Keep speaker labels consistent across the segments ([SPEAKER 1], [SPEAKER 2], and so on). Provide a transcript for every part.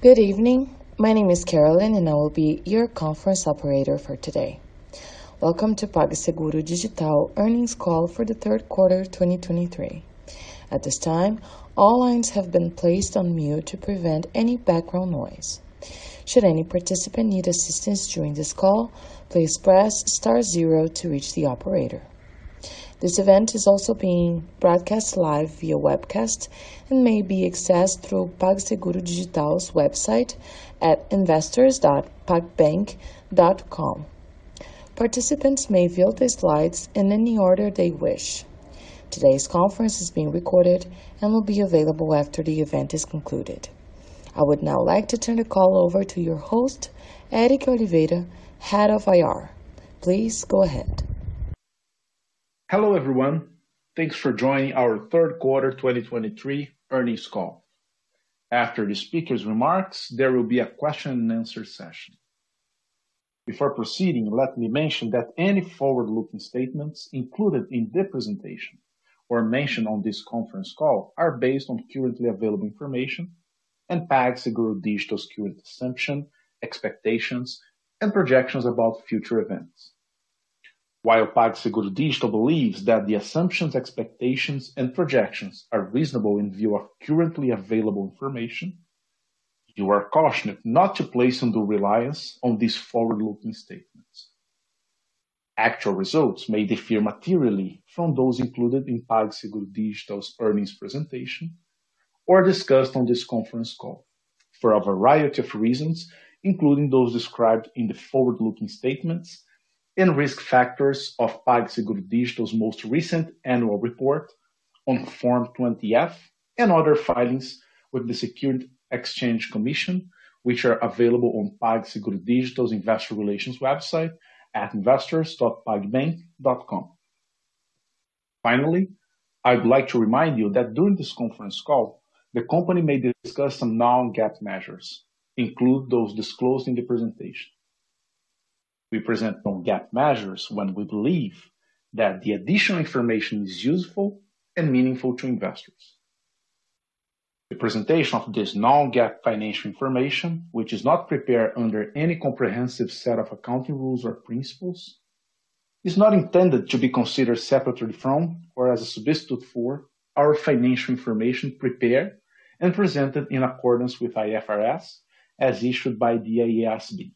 [SPEAKER 1] Good evening. My name is Carolyn, and I will be your conference operator for today. Welcome to PagSeguro Digital Earnings Call for the third quarter, 2023. At this time, all lines have been placed on mute to prevent any background noise. Should any participant need assistance during this call, please press star zero to reach the operator. This event is also being broadcast live via webcast and may be accessed through PagSeguro Digital's website at investors.pagbank.com. Participants may view the slides in any order they wish. Today's conference is being recorded and will be available after the event is concluded. I would now like to turn the call over to your host, Éric Oliveira, Head of IR. Please go ahead.
[SPEAKER 2] Hello, everyone. Thanks for joining our third quarter 2023 earnings call. After the speaker's remarks, there will be a question and answer session. Before proceeding, let me mention that any forward-looking statements included in this presentation or mentioned on this conference call are based on currently available information and PagSeguro Digital's current assumption, expectations, and projections about future events. While PagSeguro Digital believes that the assumptions, expectations, and projections are reasonable in view of currently available information, you are cautioned not to place undue reliance on these forward-looking statements. Actual results may differ materially from those included in PagSeguro Digital's earnings presentation or discussed on this conference call for a variety of reasons, including those described in the forward-looking statements and risk factors of PagSeguro Digital's most recent Annual Report on Form 20-F and other filings with the Securities and Exchange Commission, which are available on PagSeguro Digital's Investor Relations website at investors.pagbank.com. Finally, I'd like to remind you that during this conference call, the company may discuss some non-GAAP measures, include those disclosed in the presentation. We present non-GAAP measures when we believe that the additional information is useful and meaningful to investors. The presentation of this non-GAAP financial information, which is not prepared under any comprehensive set of accounting rules or principles, is not intended to be considered separately from or as a substitute for our financial information prepared and presented in accordance with IFRS, as issued by the IASB.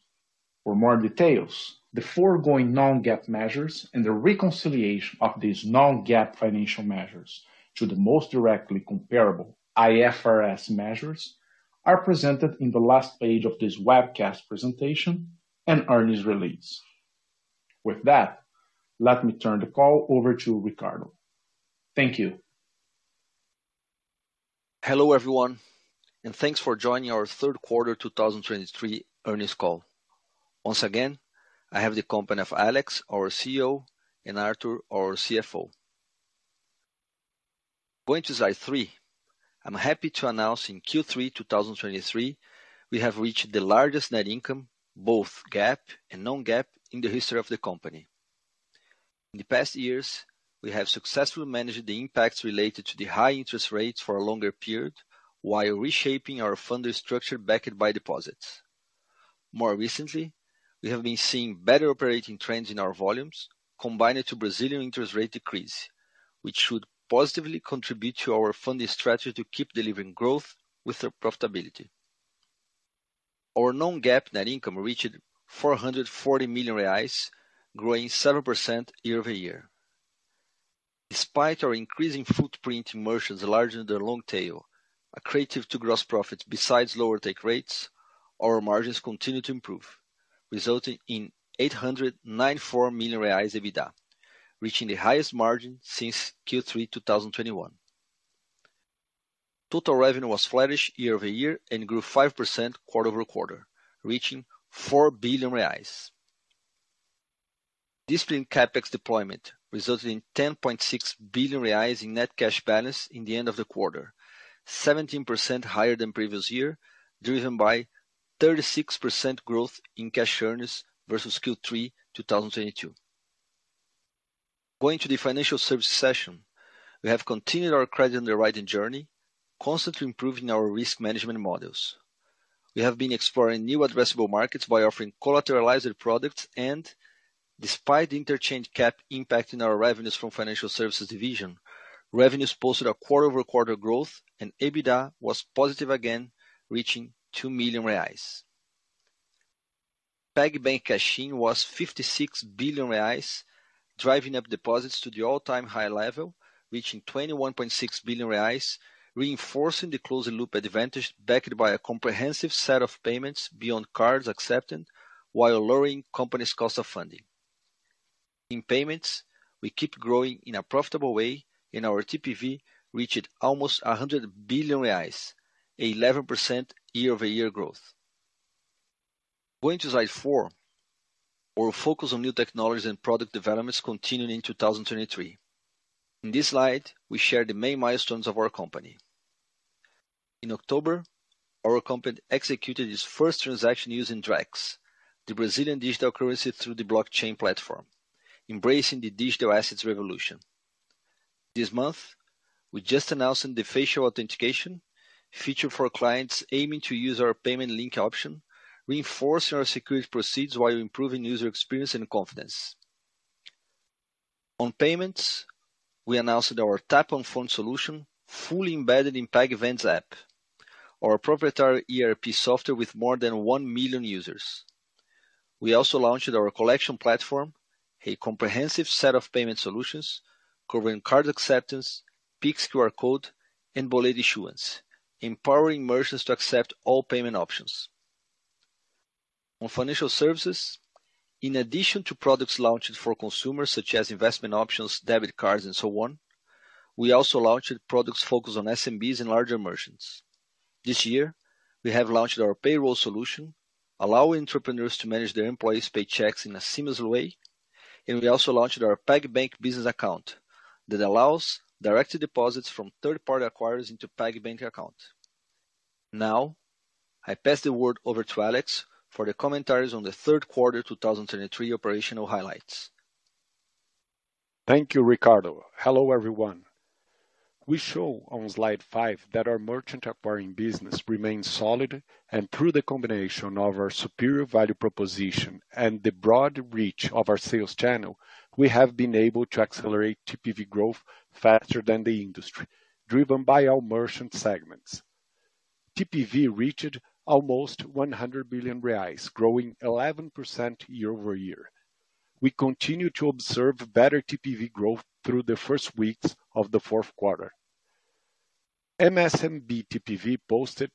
[SPEAKER 2] For more details, the foregoing non-GAAP measures and the reconciliation of these non-GAAP financial measures to the most directly comparable IFRS measures are presented in the last page of this webcast presentation and earnings release. With that, let me turn the call over to Ricardo. Thank you.
[SPEAKER 3] Hello, everyone, and thanks for joining our third quarter 2023 earnings call. Once again, I have the company of Alex, our CEO, and Artur, our CFO. Going to slide three. I'm happy to announce in Q3 2023, we have reached the largest net income, both GAAP and non-GAAP, in the history of the company. In the past years, we have successfully managed the impacts related to the high interest rates for a longer period while reshaping our funding structure backed by deposits. More recently, we have been seeing better operating trends in our volumes, combined to Brazilian interest rate decrease, which should positively contribute to our funding strategy to keep delivering growth with the profitability. Our non-GAAP net income reached 440 million reais, growing 7% year-over-year. Despite our increasing footprint in merchants larger than the long tail, accretive to gross profits besides lower take rates, our margins continue to improve, resulting in 894 million reais EBITDA, reaching the highest margin since Q3 2021. Total revenue was flattish year-over-year and grew 5% quarter-over-quarter, reaching 4 billion reais. Disciplined CapEx deployment resulted in 10.6 billion reais in net cash balance at the end of the quarter, 17% higher than previous year, driven by 36% growth in cash earnings versus Q3 2022. Going to the financial services section, we have continued our credit underwriting journey, constantly improving our risk management models. We have been exploring new addressable markets by offering collateralized products, and despite the interchange cap impacting our revenues from financial services division, revenues posted a quarter-over-quarter growth and EBITDA was positive again, reaching 2 million reais. PagBank cash-in was 56 billion reais, driving up deposits to the all-time high level, reaching 21.6 billion reais, reinforcing the closed-loop advantage, backed by a comprehensive set of payments beyond cards accepted, while lowering company's cost of funding. In payments, we keep growing in a profitable way, and our TPV reached almost 100 billion reais, 11% year-over-year growth. Going to slide four. Our focus on new technologies and product developments continuing in 2023. In this slide, we share the main milestones of our company. In October, our company executed its first transaction using Drex, the Brazilian digital currency, through the blockchain platform, embracing the digital assets revolution. This month, we just announced the facial authentication feature for clients aiming to use our payment link option, reinforcing our security proceeds while improving user experience and confidence. On payments, we announced our Tap on Phone solution, fully embedded in PagVendas app, our proprietary ERP software with more than 1 million users. We also launched our collection platform, a comprehensive set of payment solutions covering card acceptance, Pix QR code, and Boleto issuance, empowering merchants to accept all payment options. On financial services, in addition to products launched for consumers such as investment options, debit cards, and so on, we also launched products focused on SMBs and larger merchants. This year, we have launched our payroll solution, allowing entrepreneurs to manage their employees' paychecks in a seamless way, and we also launched our PagBank Business Account that allows direct deposits from third-party acquirers into PagBank account. Now, I pass the word over to Alex for the commentaries on the third quarter 2023 operational highlights.
[SPEAKER 4] Thank you, Ricardo. Hello, everyone. We show on slide five that our merchant acquiring business remains solid, and through the combination of our superior value proposition and the broad reach of our sales channel, we have been able to accelerate TPV growth faster than the industry, driven by our merchant segments. TPV reached almost 100 billion reais, growing 11% year-over-year. We continue to observe better TPV growth through the first weeks of the fourth quarter. MSMB TPV posted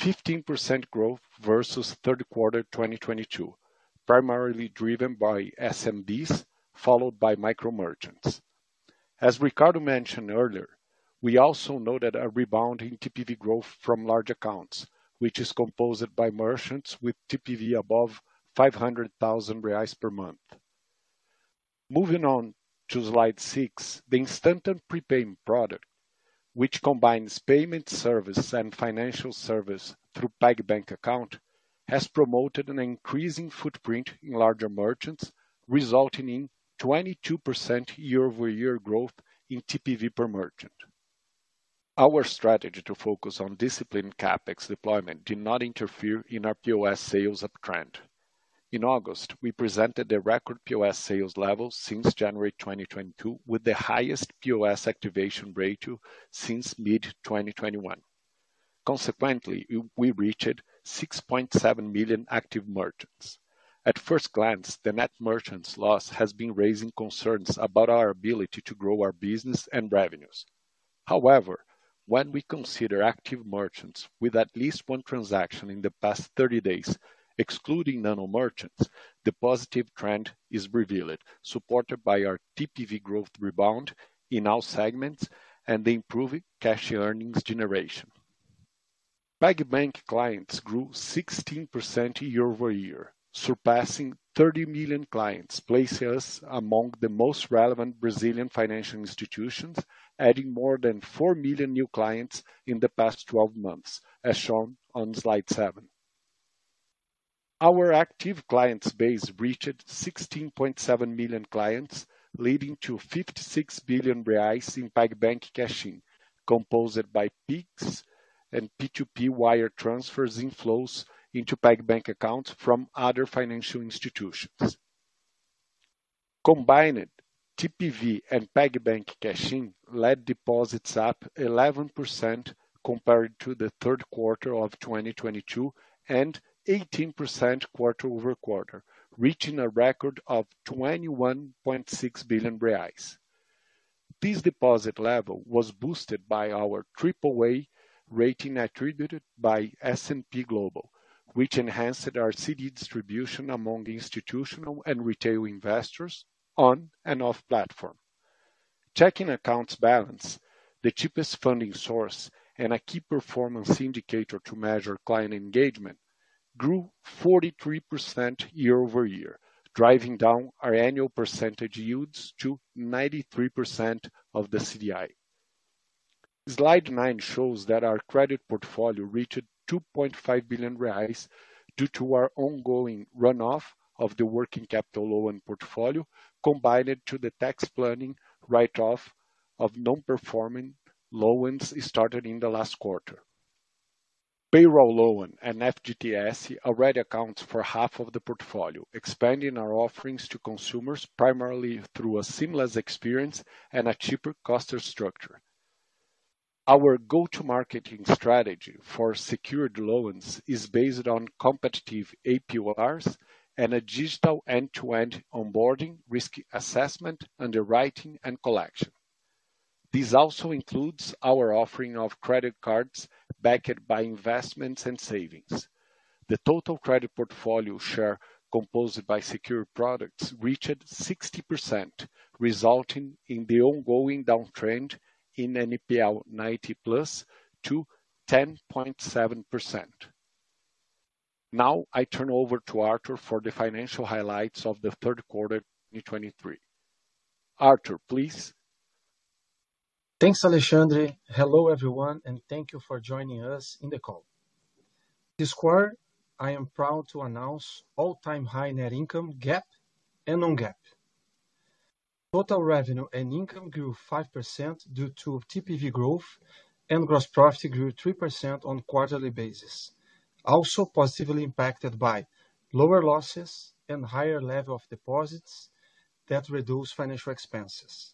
[SPEAKER 4] 15% growth versus third quarter 2022, primarily driven by SMBs, followed by micro merchants. As Ricardo mentioned earlier, we also noted a rebound in TPV growth from large accounts, which is composed by merchants with TPV above 500,000 reais per month. Moving on to slide six, the instant and prepaid product, which combines payment service and financial service through PagBank account, has promoted an increasing footprint in larger merchants, resulting in 22% year-over-year growth in TPV per merchant. Our strategy to focus on disciplined CapEx deployment did not interfere in our POS sales uptrend. In August, we presented the record POS sales level since January 2022, with the highest POS activation ratio since mid-2021. Consequently, we reached 6.7 million active merchants. At first glance, the net merchants loss has been raising concerns about our ability to grow our business and revenues. However, when we consider active merchants with at least one transaction in the past 30 days, excluding nano merchants, the positive trend is revealed, supported by our TPV growth rebound in all segments and the improved cash earnings generation. PagBank clients grew 16% year-over-year, surpassing 30 million clients, placing us among the most relevant Brazilian financial institutions, adding more than 4 million new clients in the past 12 months, as shown on slide seven. Our active clients base reached 16.7 million clients, leading to 56 billion reais in PagBank cash-in, composed by Pix and P2P wire transfers inflows into PagBank accounts from other financial institutions. Combined, TPV and PagBank cash-in led deposits up 11% compared to the third quarter of 2022, and 18% quarter-over-quarter, reaching a record of 21.6 billion reais. This deposit level was boosted by our AAA rating attributed by S&P Global, which enhanced our CD distribution among institutional and retail investors on and off platform. Checking accounts balance, the cheapest funding source and a key performance indicator to measure client engagement, grew 43% year-over-year, driving down our annual percentage yields to 93% of the CDI. Slide nine shows that our credit portfolio reached 2.5 billion reais due to our ongoing runoff of the working capital loan portfolio, combined to the tax planning write-off of non-performing loans started in the last quarter. Payroll loan and FGTS already accounts for half of the portfolio, expanding our offerings to consumers primarily through a seamless experience and a cheaper cost structure. Our go-to-marketing strategy for secured loans is based on competitive APRs and a digital end-to-end onboarding, risk assessment, underwriting, and collection. This also includes our offering of credit cards backed by investments and savings. The total credit portfolio share, composed by secure products, reached 60%, resulting in the ongoing downtrend in NPL 90+ to 10.7%. Now, I turn over to Artur for the financial highlights of the third quarter 2023. Artur, please.
[SPEAKER 5] Thanks, Alexandre. Hello, everyone, and thank you for joining us in the call. This quarter, I am proud to announce all-time high net income GAAP and non-GAAP. Total revenue and income grew 5% due to TPV growth, and gross profit grew 3% on quarterly basis. Also positively impacted by lower losses and higher level of deposits that reduce financial expenses.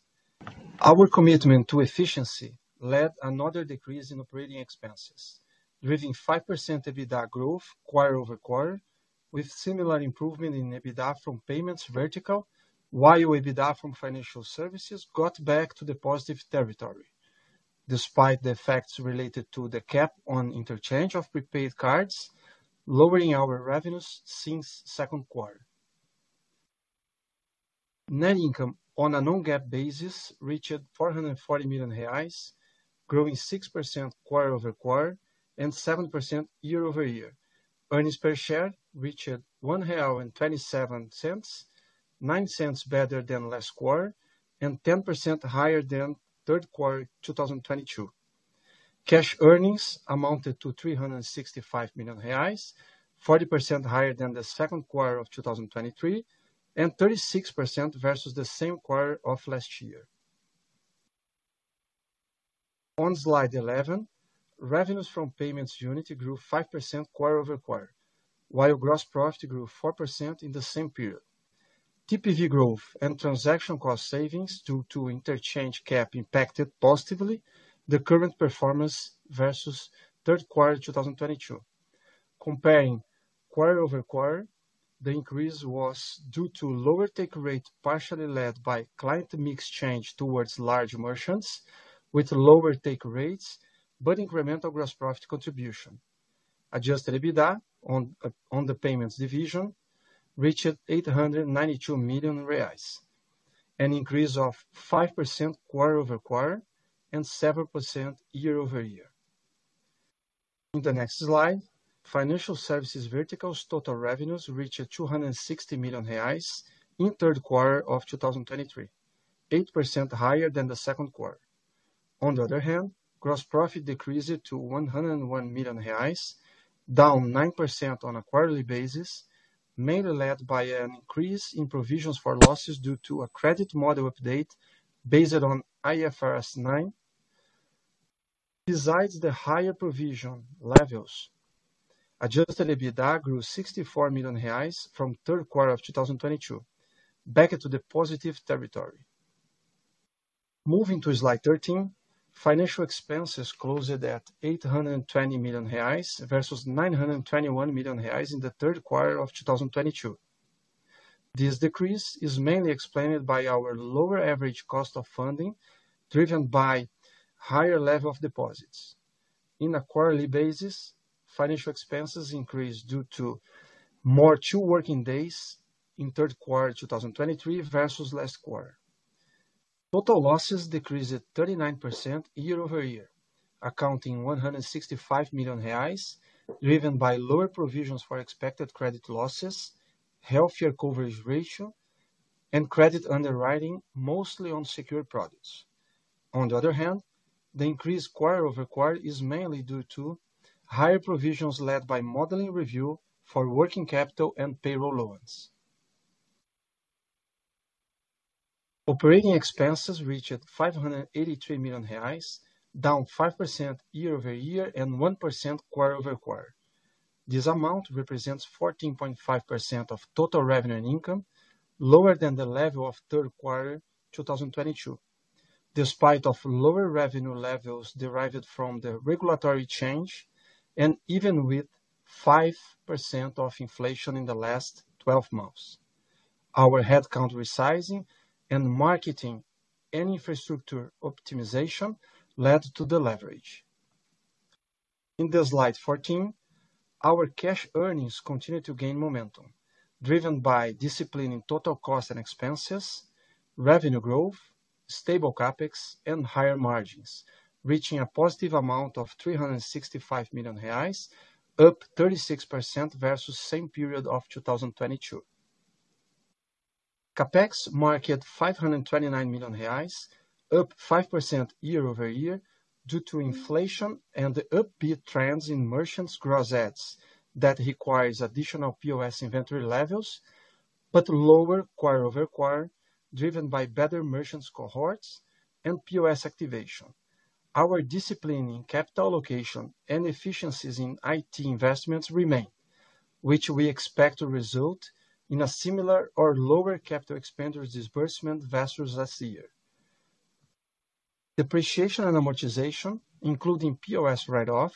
[SPEAKER 5] Our commitment to efficiency led another decrease in operating expenses, driving 5% EBITDA growth quarter-over-quarter, with similar improvement in EBITDA from payments vertical, while EBITDA from financial services got back to the positive territory, despite the effects related to the cap on interchange of prepaid cards, lowering our revenues since second quarter. Net income on a non-GAAP basis reached 440 million reais, growing 6% quarter-over-quarter and 7% year-over-year. Earnings per share reached 1.27 real, 0.09 better than last quarter and 10% higher than third quarter 2022. Cash earnings amounted to 365 million reais, 40% higher than the second quarter of 2023, and 36% versus the same quarter of last year. On slide 11, revenues from payments unit grew 5% quarter-over-quarter, while gross profit grew 4% in the same period. TPV growth and transaction cost savings due to interchange cap impacted positively the current performance versus third quarter 2022. Comparing quarter-over-quarter, the increase was due to lower take rate, partially led by client mix change towards large merchants with lower take rates, but incremental gross profit contribution. Adjusted EBITDA on the payments division reached 892 million reais, an increase of 5% quarter-over-quarter and 7% year-over-year. In the next slide, financial services verticals, total revenues reached 260 million reais in third quarter of 2023, 8% higher than the second quarter. On the other hand, gross profit decreased to 101 million reais, down 9% on a quarterly basis, mainly led by an increase in provisions for losses due to a credit model update based on IFRS 9. Besides the higher provision levels, adjusted EBITDA grew 64 million reais from third quarter of 2022, back to the positive territory. Moving to slide 13, financial expenses closed at 820 million reais, versus 921 million reais in the third quarter of 2022. This decrease is mainly explained by our lower average cost of funding, driven by higher level of deposits. On a quarterly basis, financial expenses increased due to more two working days in third quarter 2023 versus last quarter. Total losses decreased 39% year-over-year, accounting 165 million reais, driven by lower provisions for expected credit losses, healthier coverage ratio, and credit underwriting, mostly on secure products. On the other hand, the increase quarter-over-quarter is mainly due to higher provisions led by modeling review for working capital and payroll loans. Operating expenses reached 583 million reais, down 5% year-over-year and 1% quarter-over-quarter. This amount represents 14.5% of total revenue and income, lower than the level of third quarter 2022. Despite of lower revenue levels derived from the regulatory change, and even with 5% of inflation in the last 12 months, our headcount resizing and marketing and infrastructure optimization led to the leverage. In the slide 14, our cash earnings continued to gain momentum, driven by discipline in total cost and expenses, revenue growth, stable CapEx, and higher margins, reaching a positive amount of 365 million reais, up 36% versus same period of 2022. CapEx marked 529 million reais, up 5% year-over-year due to inflation and the upbeat trends in merchants gross adds. That requires additional POS inventory levels, but lower quarter-over-quarter, driven by better merchants cohorts and POS activation. Our discipline in capital allocation and efficiencies in IT investments remain, which we expect to result in a similar or lower capital expenditures disbursement versus last year. Depreciation and amortization, including POS write-off,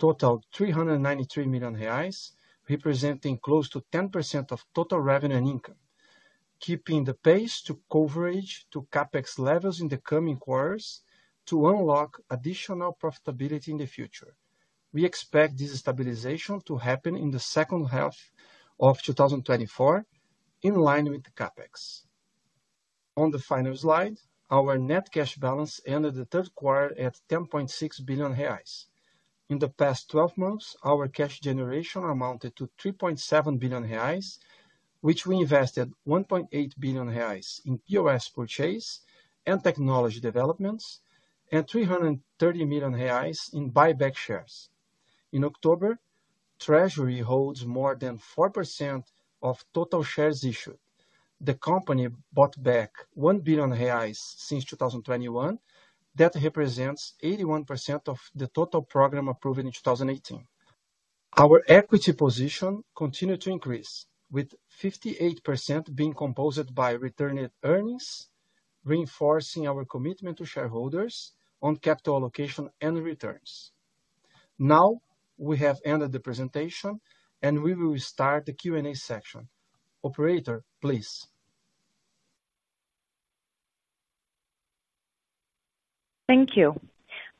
[SPEAKER 5] totaled 393 million reais, representing close to 10% of total revenue and income, keeping the pace to coverage to CapEx levels in the coming quarters to unlock additional profitability in the future. We expect this stabilization to happen in the second half of 2024, in line with the CapEx. On the final slide, our net cash balance ended the third quarter at 10.6 billion reais. In the past twelve months, our cash generation amounted to 3.7 billion reais, which we invested 1.8 billion reais in POS purchase and technology developments, and 330 million reais in buyback shares. In October, treasury holds more than 4% of total shares issued. The company bought back 1 billion reais since 2021. That represents 81% of the total program approved in 2018. Our equity position continued to increase, with 58% being composed by retained earnings, reinforcing our commitment to shareholders on capital allocation and returns. Now, we have ended the presentation, and we will start the Q&A section. Operator, please.
[SPEAKER 1] Thank you.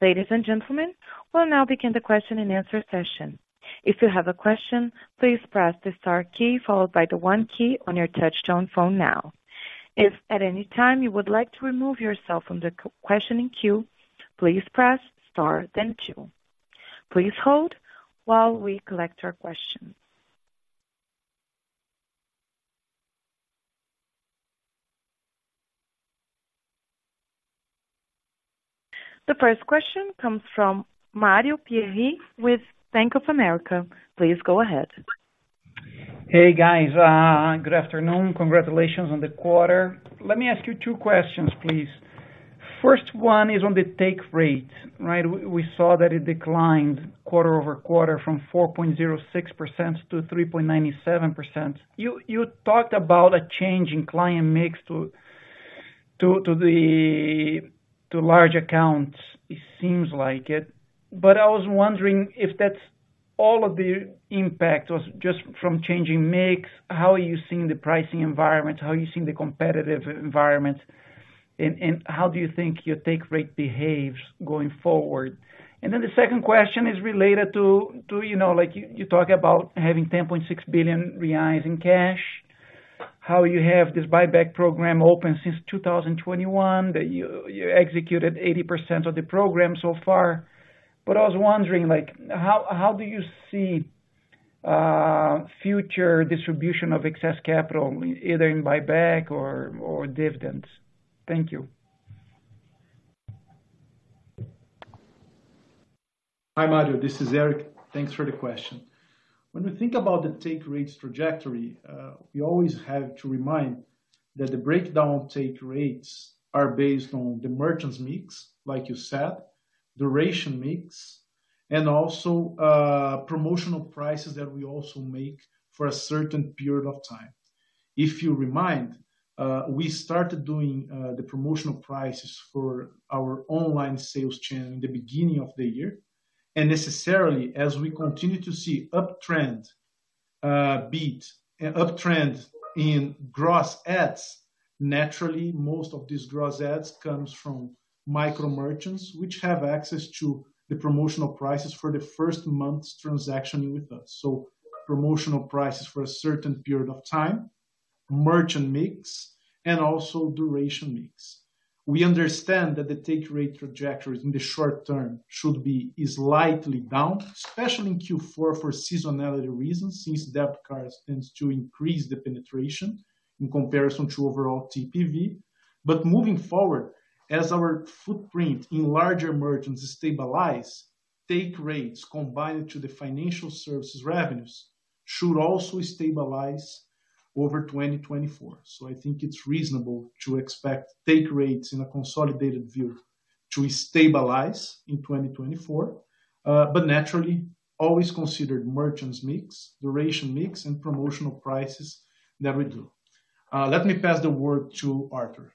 [SPEAKER 1] Ladies and gentlemen, we'll now begin the question and answer session. If you have a question, please press the star key, followed by the one key on your touchtone phone now. If at any time you would like to remove yourself from the questioning queue, please press star, then two. Please hold while we collect your questions. The first question comes from Mario Pierry with Bank of America. Please go ahead.
[SPEAKER 6] Hey, guys, good afternoon. Congratulations on the quarter. Let me ask you two questions, please. First one is on the take rate, right? We saw that it declined quarter-over-quarter from 4.06% to 3.97%. You talked about a change in client mix to the large accounts. It seems like it, but I was wondering if that's all of the impact was just from changing mix. How are you seeing the pricing environment? How are you seeing the competitive environment? And how do you think your take rate behaves going forward? Then the second question is related to, you know, like you talk about having 10.6 billion reais in cash, how you have this buyback program open since 2021, that you executed 80% of the program so far. But I was wondering, like, how do you see future distribution of excess capital, either in buyback or dividends? Thank you.
[SPEAKER 2] Hi, Mario, this is Éric. Thanks for the question. When we think about the take rates trajectory, we always have to remind that the breakdown take rates are based on the merchants mix, like you said, duration mix, and also, promotional prices that we also make for a certain period of time. If you remind, we started doing, the promotional prices for our Online Sales channel in the beginning of the year, and necessarily, as we continue to see uptrend, beat and uptrend in gross adds, naturally, most of these gross adds comes from micro-merchants, which have access to the promotional prices for the first month's transaction with us. So promotional prices for a certain period of time, merchant mix, and also duration mix. We understand that the take rate trajectory in the short term should be, is slightly down, especially in Q4, for seasonality reasons, since debit cards tends to increase the penetration in comparison to overall TPV. But moving forward, as our footprint in larger merchants stabilize, take rates combined to the financial services revenues should also stabilize over 2024. So I think it's reasonable to expect take rates in a consolidated view to stabilize in 2024, but naturally, always consider merchants mix, duration mix, and promotional prices that we do. Let me pass the word to Artur.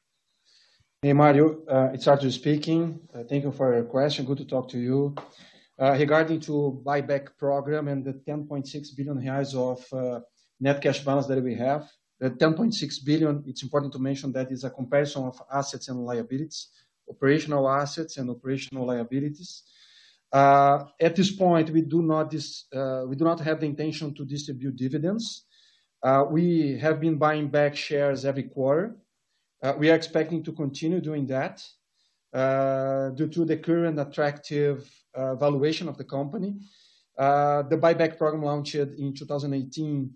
[SPEAKER 5] Hey, Mario, it's Artur speaking. Thank you for your question. Good to talk to you. Regarding to buyback program and the 10.6 billion reais of net cash balance that we have, the 10.6 billion, it's important to mention that is a comparison of assets and liabilities, operational assets and operational liabilities. At this point, we do not have the intention to distribute dividends. We have been buying back shares every quarter. We are expecting to continue doing that due to the current attractive valuation of the company. The buyback program launched in 2018,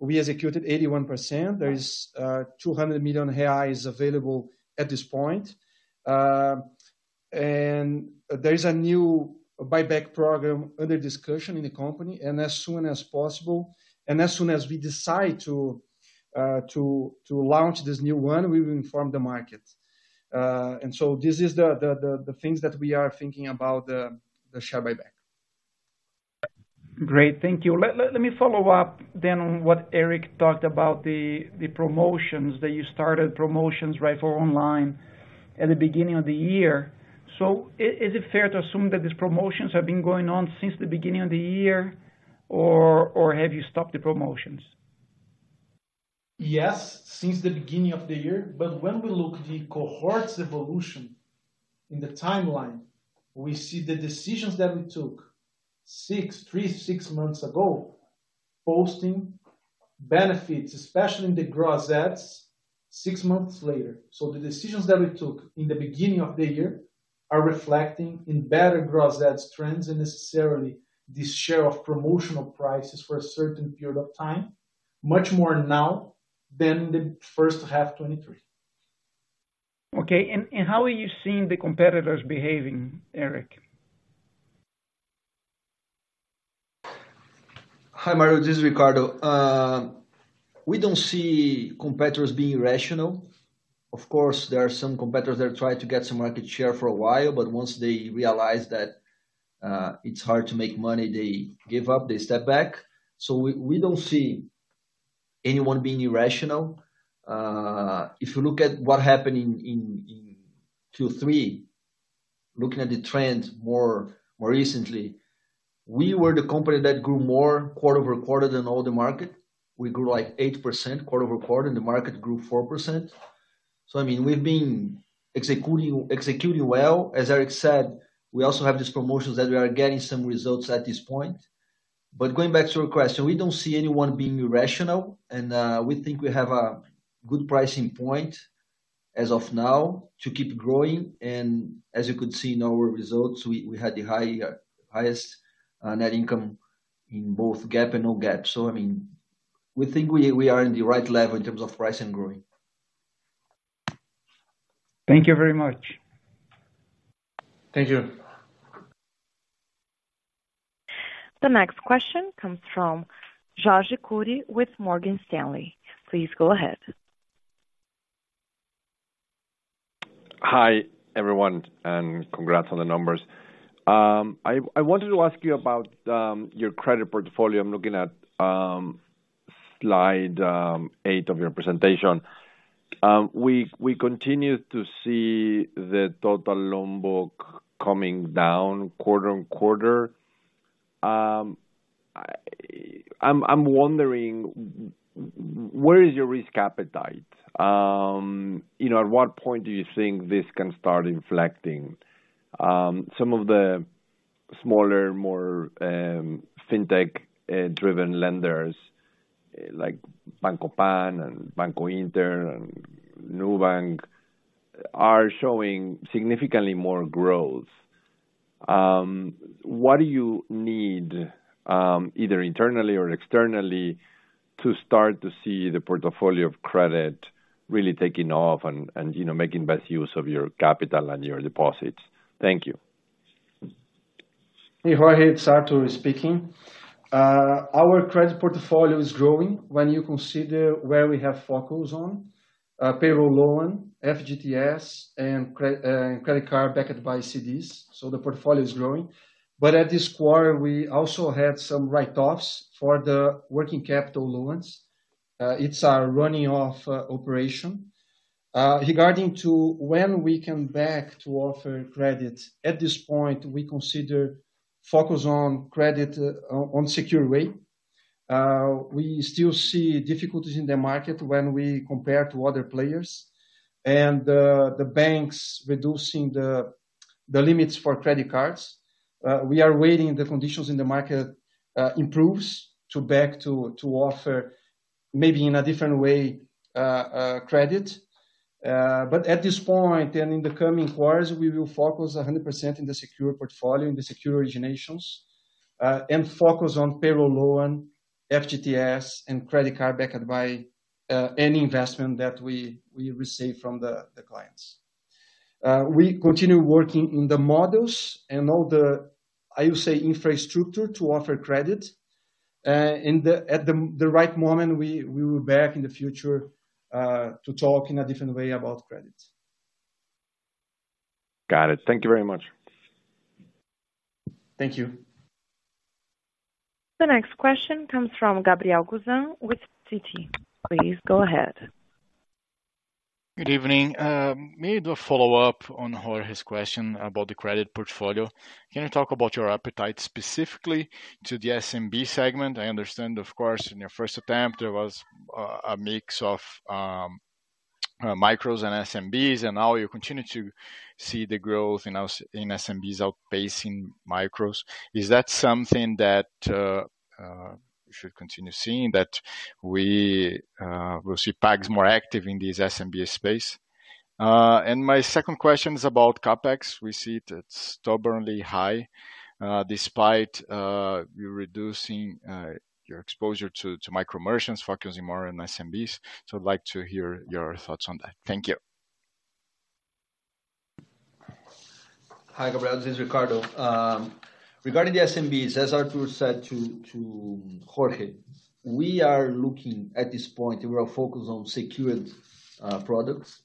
[SPEAKER 5] we executed 81%. There is 200 million reais available at this point. There is a new buyback program under discussion in the company, and as soon as possible, and as soon as we decide to launch this new one, we will inform the market. So this is the things that we are thinking about the share buyback.
[SPEAKER 6] Great. Thank you. Let me follow up then on what Éric talked about, the promotions, that you started promotions right for online at the beginning of the year. So is it fair to assume that these promotions have been going on since the beginning of the year, or have you stopped the promotions?
[SPEAKER 2] Yes, since the beginning of the year, but when we look the cohorts evolution in the timeline, we see the decisions that we took six, three to six months ago, posting benefits, especially in the gross adds six months later. So the decisions that we took in the beginning of the year are reflecting in better gross adds trends, and necessarily, this share of promotional prices for a certain period of time, much more now than the first half 2023.
[SPEAKER 6] Okay. How are you seeing the competitors behaving, Éric?
[SPEAKER 3] Hi, Mario, this is Ricardo. We don't see competitors being rational. Of course, there are some competitors that try to get some market share for a while, but once they realize that it's hard to make money, they give up, they step back. So we don't see anyone being irrational. If you look at what happened in Q3, looking at the trend more recently, we were the company that grew more quarter-over-quarter than all the market. We grew, like, 8% quarter-over-quarter, and the market grew 4%. So, I mean, we've been executing well. As Éric said, we also have these promotions that we are getting some results at this point. Going back to your question, we don't see anyone being irrational, and we think we have a good pricing point as of now to keep growing. As you could see in our results, we had the highest net income in both GAAP and non-GAAP. I mean, we think we are in the right level in terms of price and growing.
[SPEAKER 6] Thank you very much.
[SPEAKER 3] Thank you.
[SPEAKER 1] The next question comes from Jorge Kuri with Morgan Stanley. Please go ahead.
[SPEAKER 7] Hi, everyone, and congrats on the numbers. I wanted to ask you about your credit portfolio. I'm looking at slide eight of your presentation. We continue to see the total loan book coming down quarter-over-quarter. I'm wondering, where is your risk appetite? You know, at what point do you think this can start inflecting? Some of the smaller, more fintech driven lenders, like Banco Pan and Banco Inter and NuBank, are showing significantly more growth. What do you need, either internally or externally, to start to see the portfolio of credit really taking off and, you know, making best use of your capital and your deposits? Thank you.
[SPEAKER 5] Hey, Jorge, it's Artur speaking. Our credit portfolio is growing when you consider where we have focus on, payroll loan, FGTS, and credit card backed by CDs. So the portfolio is growing. But at this quarter, we also had some write-offs for the working capital loans. It's our running off operation. Regarding to when we come back to offer credit, at this point, we consider focus on credit on secure way. We still see difficulties in the market when we compare to other players, and the banks reducing the limits for credit cards. We are waiting the conditions in the market improves to back to offer maybe in a different way, credit. But at this point, and in the coming quarters, we will focus 100% in the secure portfolio, in the secure originations, and focus on payroll loan, FGTS, and credit card backed by any investment that we receive from the clients. We continue working in the models and all the, I will say, infrastructure to offer credit, and at the right moment, we will back in the future to talk in a different way about credit.
[SPEAKER 7] Got it. Thank you very much.
[SPEAKER 5] Thank you.
[SPEAKER 1] The next question comes from Gabriel Gusan with Citi. Please go ahead.
[SPEAKER 8] Good evening. Maybe to follow up on Jorge's question about the credit portfolio. Can you talk about your appetite, specifically to the SMB segment? I understand, of course, in your first attempt, there was a mix of micros and SMBs, and now you continue to see the growth in SMBs outpacing micros. Is that something that we should continue seeing, that we will see PagSeguro more active in this SMB space? And my second question is about CapEx. We see it's stubbornly high, despite you reducing your exposure to micro merchants, focusing more on SMBs. So I'd like to hear your thoughts on that. Thank you.
[SPEAKER 3] Hi, Gabriel, this is Ricardo. Regarding the SMBs, as Artur said to Jorge, at this point, we are focused on secured products,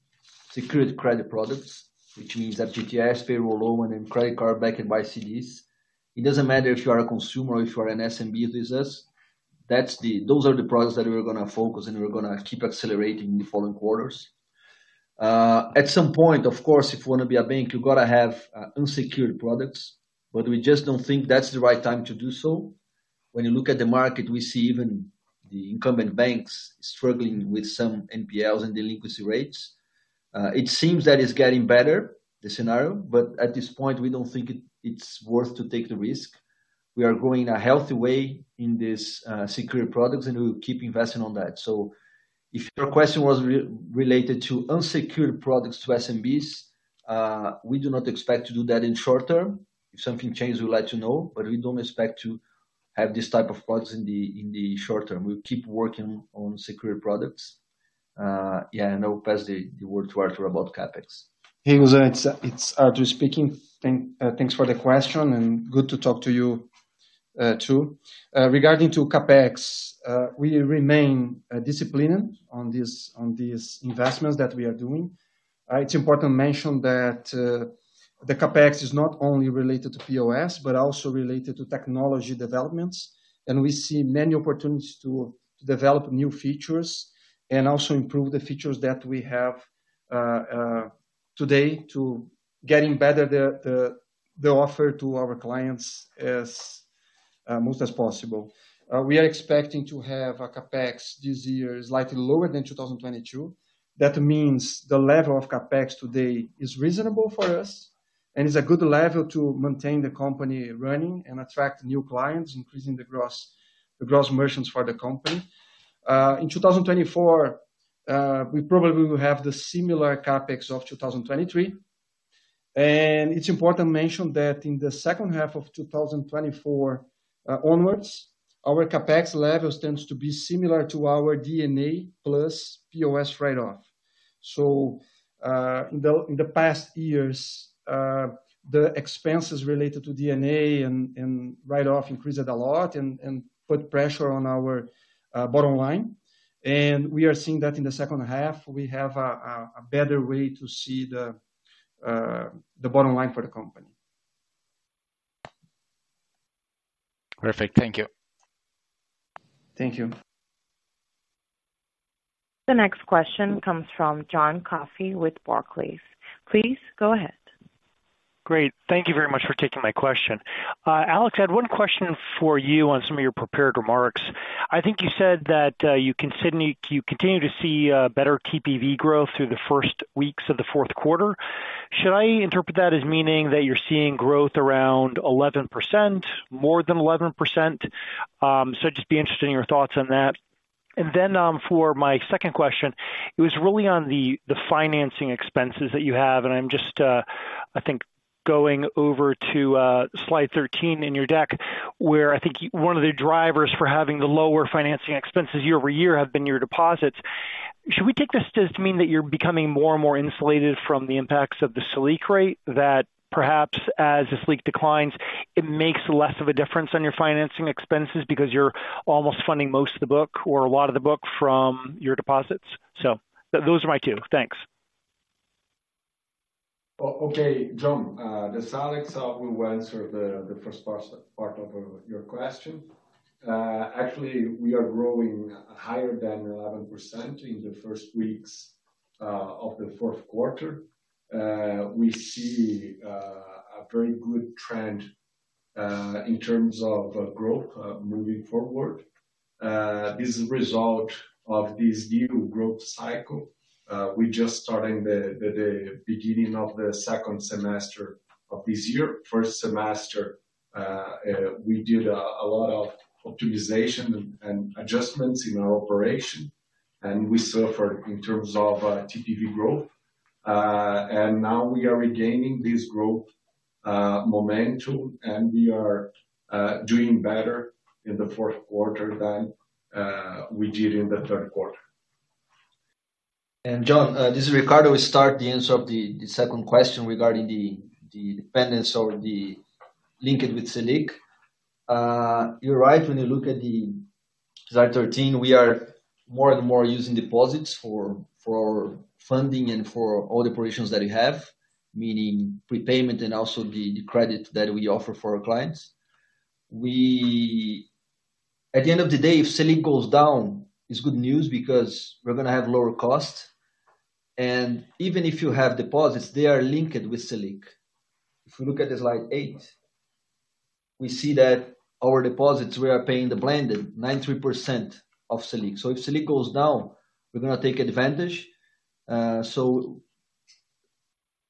[SPEAKER 3] secured credit products, which means FGTS, payroll loan, and credit card backed by CDs. It doesn't matter if you are a consumer or if you are an SMB business, that's the, those are the products that we're gonna focus, and we're gonna keep accelerating in the following quarters. At some point, of course, if you wanna be a bank, you've gotta have unsecured products, but we just don't think that's the right time to do so. When you look at the market, we see even the incumbent banks struggling with some NPLs and delinquency rates. It seems that it's getting better, the scenario, but at this point, we don't think it's worth to take the risk. We are growing a healthy way in this, secured products, and we will keep investing on that. So if your question was re-related to unsecured products to SMBs, we do not expect to do that in short term. If something changes, we would like to know, but we don't expect to have this type of products in the short term. We'll keep working on secure products. Yeah, and I'll pass the word to Artur about CapEx.
[SPEAKER 5] Hey, Gusan, it's Artur speaking. Thanks for the question, and good to talk to you too. Regarding to CapEx, we remain disciplined on these investments that we are doing. It's important to mention that the CapEx is not only related to POS, but also related to technology developments. And we see many opportunities to develop new features and also improve the features that we have today, to getting better the offer to our clients as much as possible. We are expecting to have a CapEx this year, slightly lower than 2022. That means the level of CapEx today is reasonable for us, and it's a good level to maintain the company running and attract new clients, increasing the gross merchants for the company. In 2024, we probably will have the similar CapEx of 2023. It's important to mention that in the second half of 2024 onwards, our CapEx levels tends to be similar to our D&A+POS write-off. In the past years, the expenses related to D&A and write-off increased a lot and put pressure on our bottom line. We are seeing that in the second half, we have a better way to see the bottom line for the company.
[SPEAKER 8] Perfect. Thank you.
[SPEAKER 5] Thank you.
[SPEAKER 1] The next question comes from John Coffey with Barclays. Please go ahead.
[SPEAKER 9] Great. Thank you very much for taking my question. Alex, I had one question for you on some of your prepared remarks. I think you said that you continue, you continue to see better TPV growth through the first weeks of the fourth quarter. Should I interpret that as meaning that you're seeing growth around 11%, more than 11%? So I'd just be interested in your thoughts on that. Then, for my second question, it was really on the financing expenses that you have, and I'm just I think going over to slide 13 in your deck, where I think one of the drivers for having the lower financing expenses year-over-year have been your deposits. Should we take this to mean that you're becoming more and more insulated from the impacts of the Selic rate? That perhaps as the Selic declines, it makes less of a difference on your financing expenses because you're almost funding most of the book or a lot of the book from your deposits? So those are my two. Thanks.
[SPEAKER 4] Okay, John, this is Alex, I will answer the first part of your question. Actually, we are growing higher than 11% in the first weeks of the fourth quarter. We see a very good trend in terms of growth moving forward. This is a result of this new growth cycle. We just starting the beginning of the second semester of this year. First semester, we did a lot of optimization and adjustments in our operation, and we suffered in terms of TPV growth. And now we are regaining this growth momentum, and we are doing better in the fourth quarter than we did in the third quarter.
[SPEAKER 3] John, this is Ricardo. We start the answer of the second question regarding the dependence or the linkage with Selic. You're right, when you look at the slide 13, we are more and more using deposits for funding and for all operations that we have, meaning prepayment and also the credit that we offer for our clients. We at the end of the day, if Selic goes down, it's good news because we're gonna have lower costs. And even if you have deposits, they are linked with Selic. If we look at the slide eight, we see that our deposits, we are paying the blended 93% of Selic. So if Selic goes down, we're gonna take advantage. So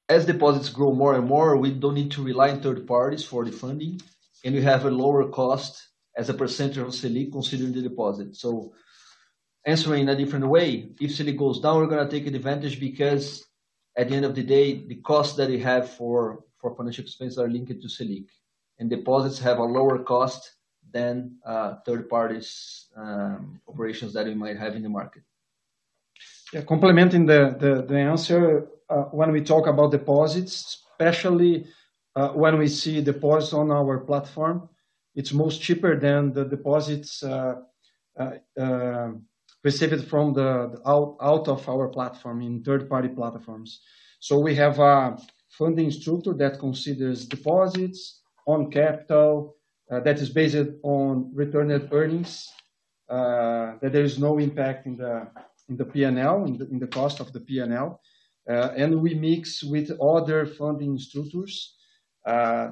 [SPEAKER 3] as deposits grow more and more, we don't need to rely on third parties for the funding, and we have a lower cost as a percentage of Selic, considering the deposit. So answering in a different way, if Selic goes down, we're gonna take advantage because at the end of the day, the cost that we have for financial expenses are linked to Selic, and deposits have a lower cost than third parties operations that we might have in the market.
[SPEAKER 5] Yeah, complementing the answer, when we talk about deposits, especially when we see deposits on our platform, it's most cheaper than the deposits received from out of our platform, in third-party platforms. So we have a funding structure that considers deposits on capital that is based on returned earnings that there is no impact in the PNL, in the cost of the PNL. And we mix with other funding structures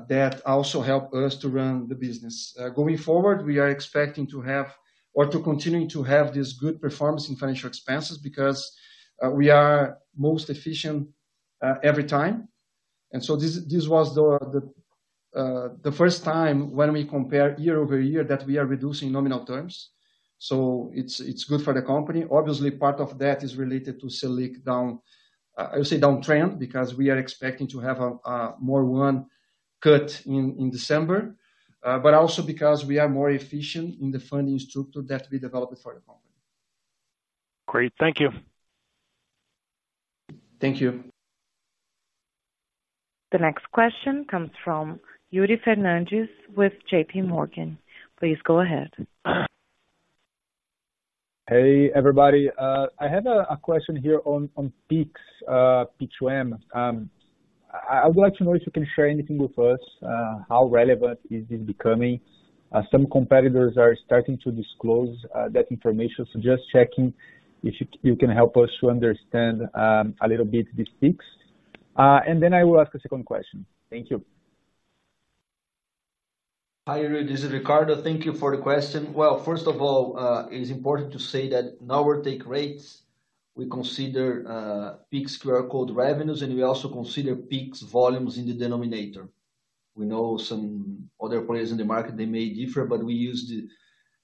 [SPEAKER 5] that also help us to run the business. Going forward, we are expecting to have or to continue to have this good performance in financial expenses because we are most efficient every time. So this was the first time when we compare year-over-year that we are reducing nominal terms, so it's good for the company. Obviously, part of that is related to Selic down, I would say downtrend, because we are expecting to have one more cut in December, but also because we are more efficient in the funding structure that we developed for the company.
[SPEAKER 9] Great. Thank you.
[SPEAKER 5] Thank you.
[SPEAKER 1] The next question comes from Yuri Fernandes with JPMorgan. Please go ahead.
[SPEAKER 10] Hey, everybody. I have a question here on Pix, P2P. I would like to know if you can share anything with us, how relevant is this becoming? Some competitors are starting to disclose that information, so just checking if you can help us to understand a little bit these Pix. And then I will ask a second question. Thank you.
[SPEAKER 5] Hi, Yuri, this is Ricardo. Thank you for the question. Well, first of all, it's important to say that in our take rates, we consider Pix QR code revenues, and we also consider Pix volumes in the denominator. We know some other players in the market, they may differ, but we use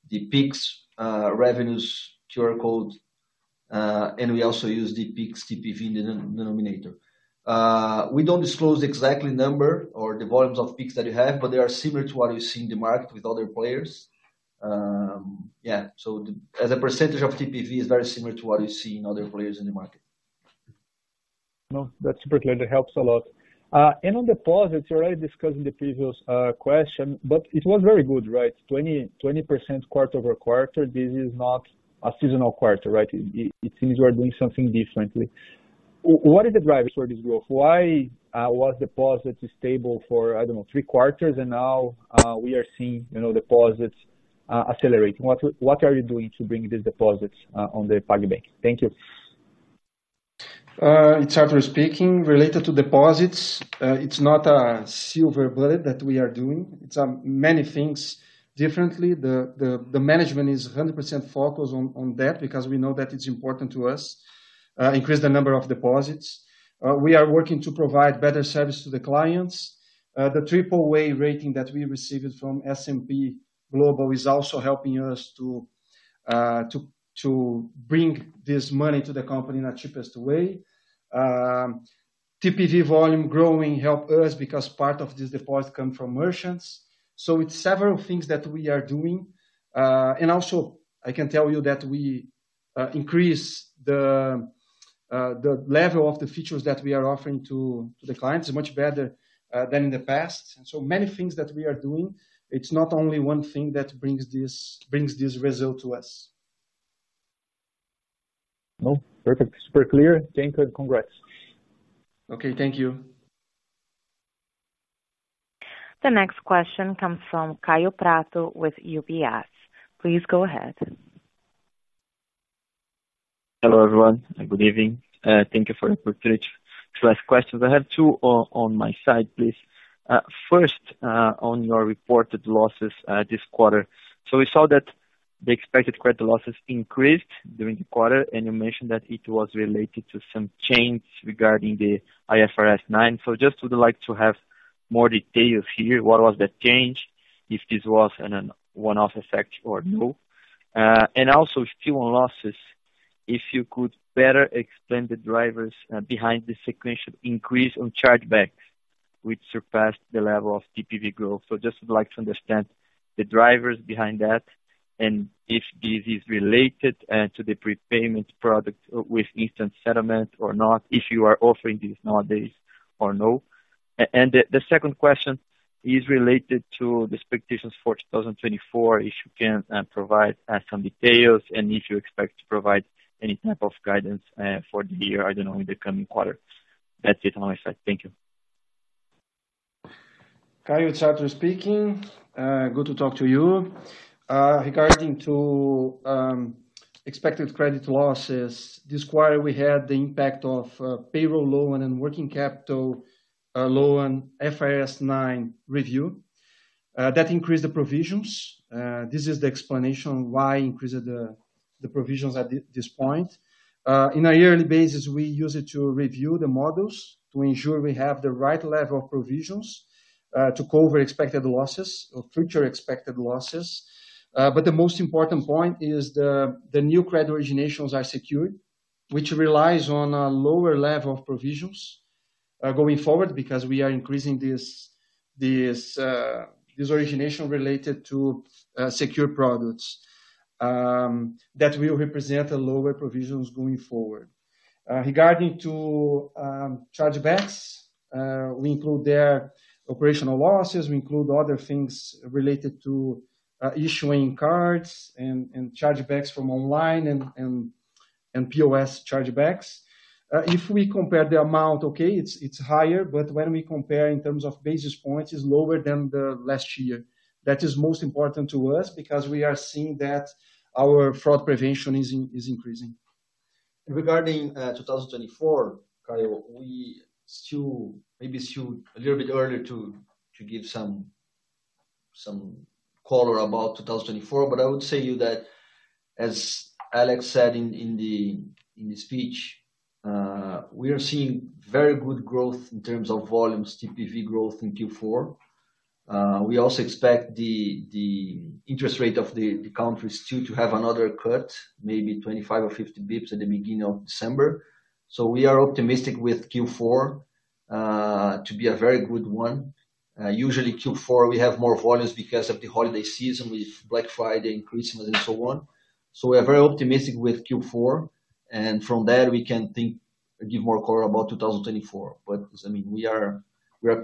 [SPEAKER 5] the Pix QR code revenues, and we also use the Pix TPV denominator. We don't disclose the exact number or the volumes of Pix that we have, but they are similar to what you see in the market with other players. Yeah, so the as a percentage of TPV, is very similar to what you see in other players in the market.
[SPEAKER 10] No, that's super clear. That helps a lot. And on deposits, you already discussed in the previous question, but it was very good, right? 20% quarter-over-quarter, this is not a seasonal quarter, right? It seems we're doing something differently. What is the drivers for this growth? Why was deposits stable for, I don't know, three quarters, and now we are seeing, you know, deposits accelerating? What are you doing to bring these deposits on the PagBank? Thank you.
[SPEAKER 5] It's Artur speaking. Related to deposits, it's not a silver bullet that we are doing. It's many things differently. The management is 100% focused on that because we know that it's important to us increase the number of deposits. We are working to provide better service to the clients. The triple A rating that we received from S&P Global is also helping us to bring this money to the company in the cheapest way. TPV volume growing help us because part of this deposit come from merchants. So it's several things that we are doing. And also I can tell you that we increase the level of the features that we are offering to the clients is much better than in the past. So many things that we are doing. It's not only one thing that brings this result to us.
[SPEAKER 10] No, perfect. Super clear. Thank you, and congrats.
[SPEAKER 5] Okay, thank you.
[SPEAKER 1] The next question comes from Kaio Prato with UBS. Please go ahead.
[SPEAKER 11] Hello, everyone, and good evening. Thank you for the opportunity to ask questions. I have two on my side, please. First, on your reported losses this quarter. So we saw that the expected credit losses increased during the quarter, and you mentioned that it was related to some change regarding the IFRS 9. So just would like to have more details here. What was the change, if this was a one-off effect or no? And also still on losses, if you could better explain the drivers behind the sequential increase on chargeback, which surpassed the level of TPV growth. So just would like to understand the drivers behind that and if this is related to the prepayment product with instant settlement or not, if you are offering this nowadays or no. And the second question is related to the expectations for 2024, if you can provide some details and if you expect to provide any type of guidance for the year, I don't know, in the coming quarters. That's it on my side. Thank you.
[SPEAKER 5] Kaio, it's Artur speaking. Good to talk to you. Regarding to expected credit losses, this quarter, we had the impact of payroll loan and working capital loan, IFRS 9 review. That increased the provisions. This is the explanation why increased the provisions at this point. In a yearly basis, we use it to review the models to ensure we have the right level of provisions to cover expected losses or future expected losses. But the most important point is the new credit originations are secured, which relies on a lower level of provisions going forward, because we are increasing this origination related to secure products that will represent a lower provisions going forward. Regarding to chargebacks, we include their operational losses. We include other things related to issuing cards and chargebacks from online and POS chargebacks. If we compare the amount, okay, it's higher, but when we compare in terms of basis points, it's lower than the last year. That is most important to us because we are seeing that our fraud prevention is increasing.
[SPEAKER 3] Regarding 2024, Kaio, we still maybe soon, a little bit earlier to give some-some color about 2024, but I would say to you that, as Alex said in the speech, we are seeing very good growth in terms of volumes, TPV growth in Q4. We also expect the interest rate of the country still to have another cut, maybe 25 or 50 basis points at the beginning of December.
[SPEAKER 5] So we are optimistic with Q4 to be a very good one. Usually Q4, we have more volumes because of the holiday season, with Black Friday and Christmas and so on. So we are very optimistic with Q4, and from there, we can think, give more color about 2024. But, I mean, we are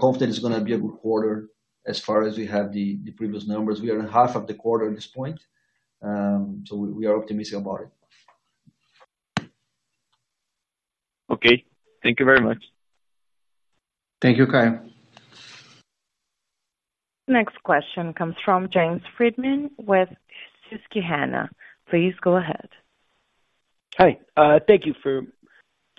[SPEAKER 5] confident it's gonna be a good quarter as far as we have the previous numbers. We are in half of the quarter at this point, so we are optimistic about it.
[SPEAKER 11] Okay, thank you very much.
[SPEAKER 3] Thank you, Kaio.
[SPEAKER 1] Next question comes from James Friedman with Susquehanna. Please go ahead.
[SPEAKER 12] Hi, thank you for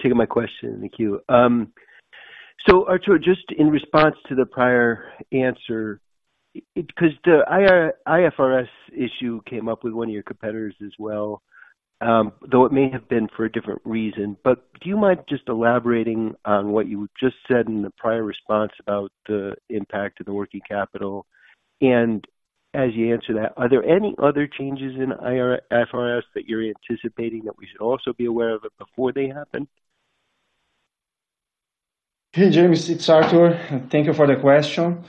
[SPEAKER 12] taking my question. Thank you. So Artur, just in response to the prior answer, because the IFRS issue came up with one of your competitors as well, though it may have been for a different reason, but do you mind just elaborating on what you just said in the prior response about the impact of the working capital? And as you answer that, are there any other changes in IFRS that you're anticipating that we should also be aware of it before they happen?
[SPEAKER 5] Hey, James, it's Artur, and thank you for the question.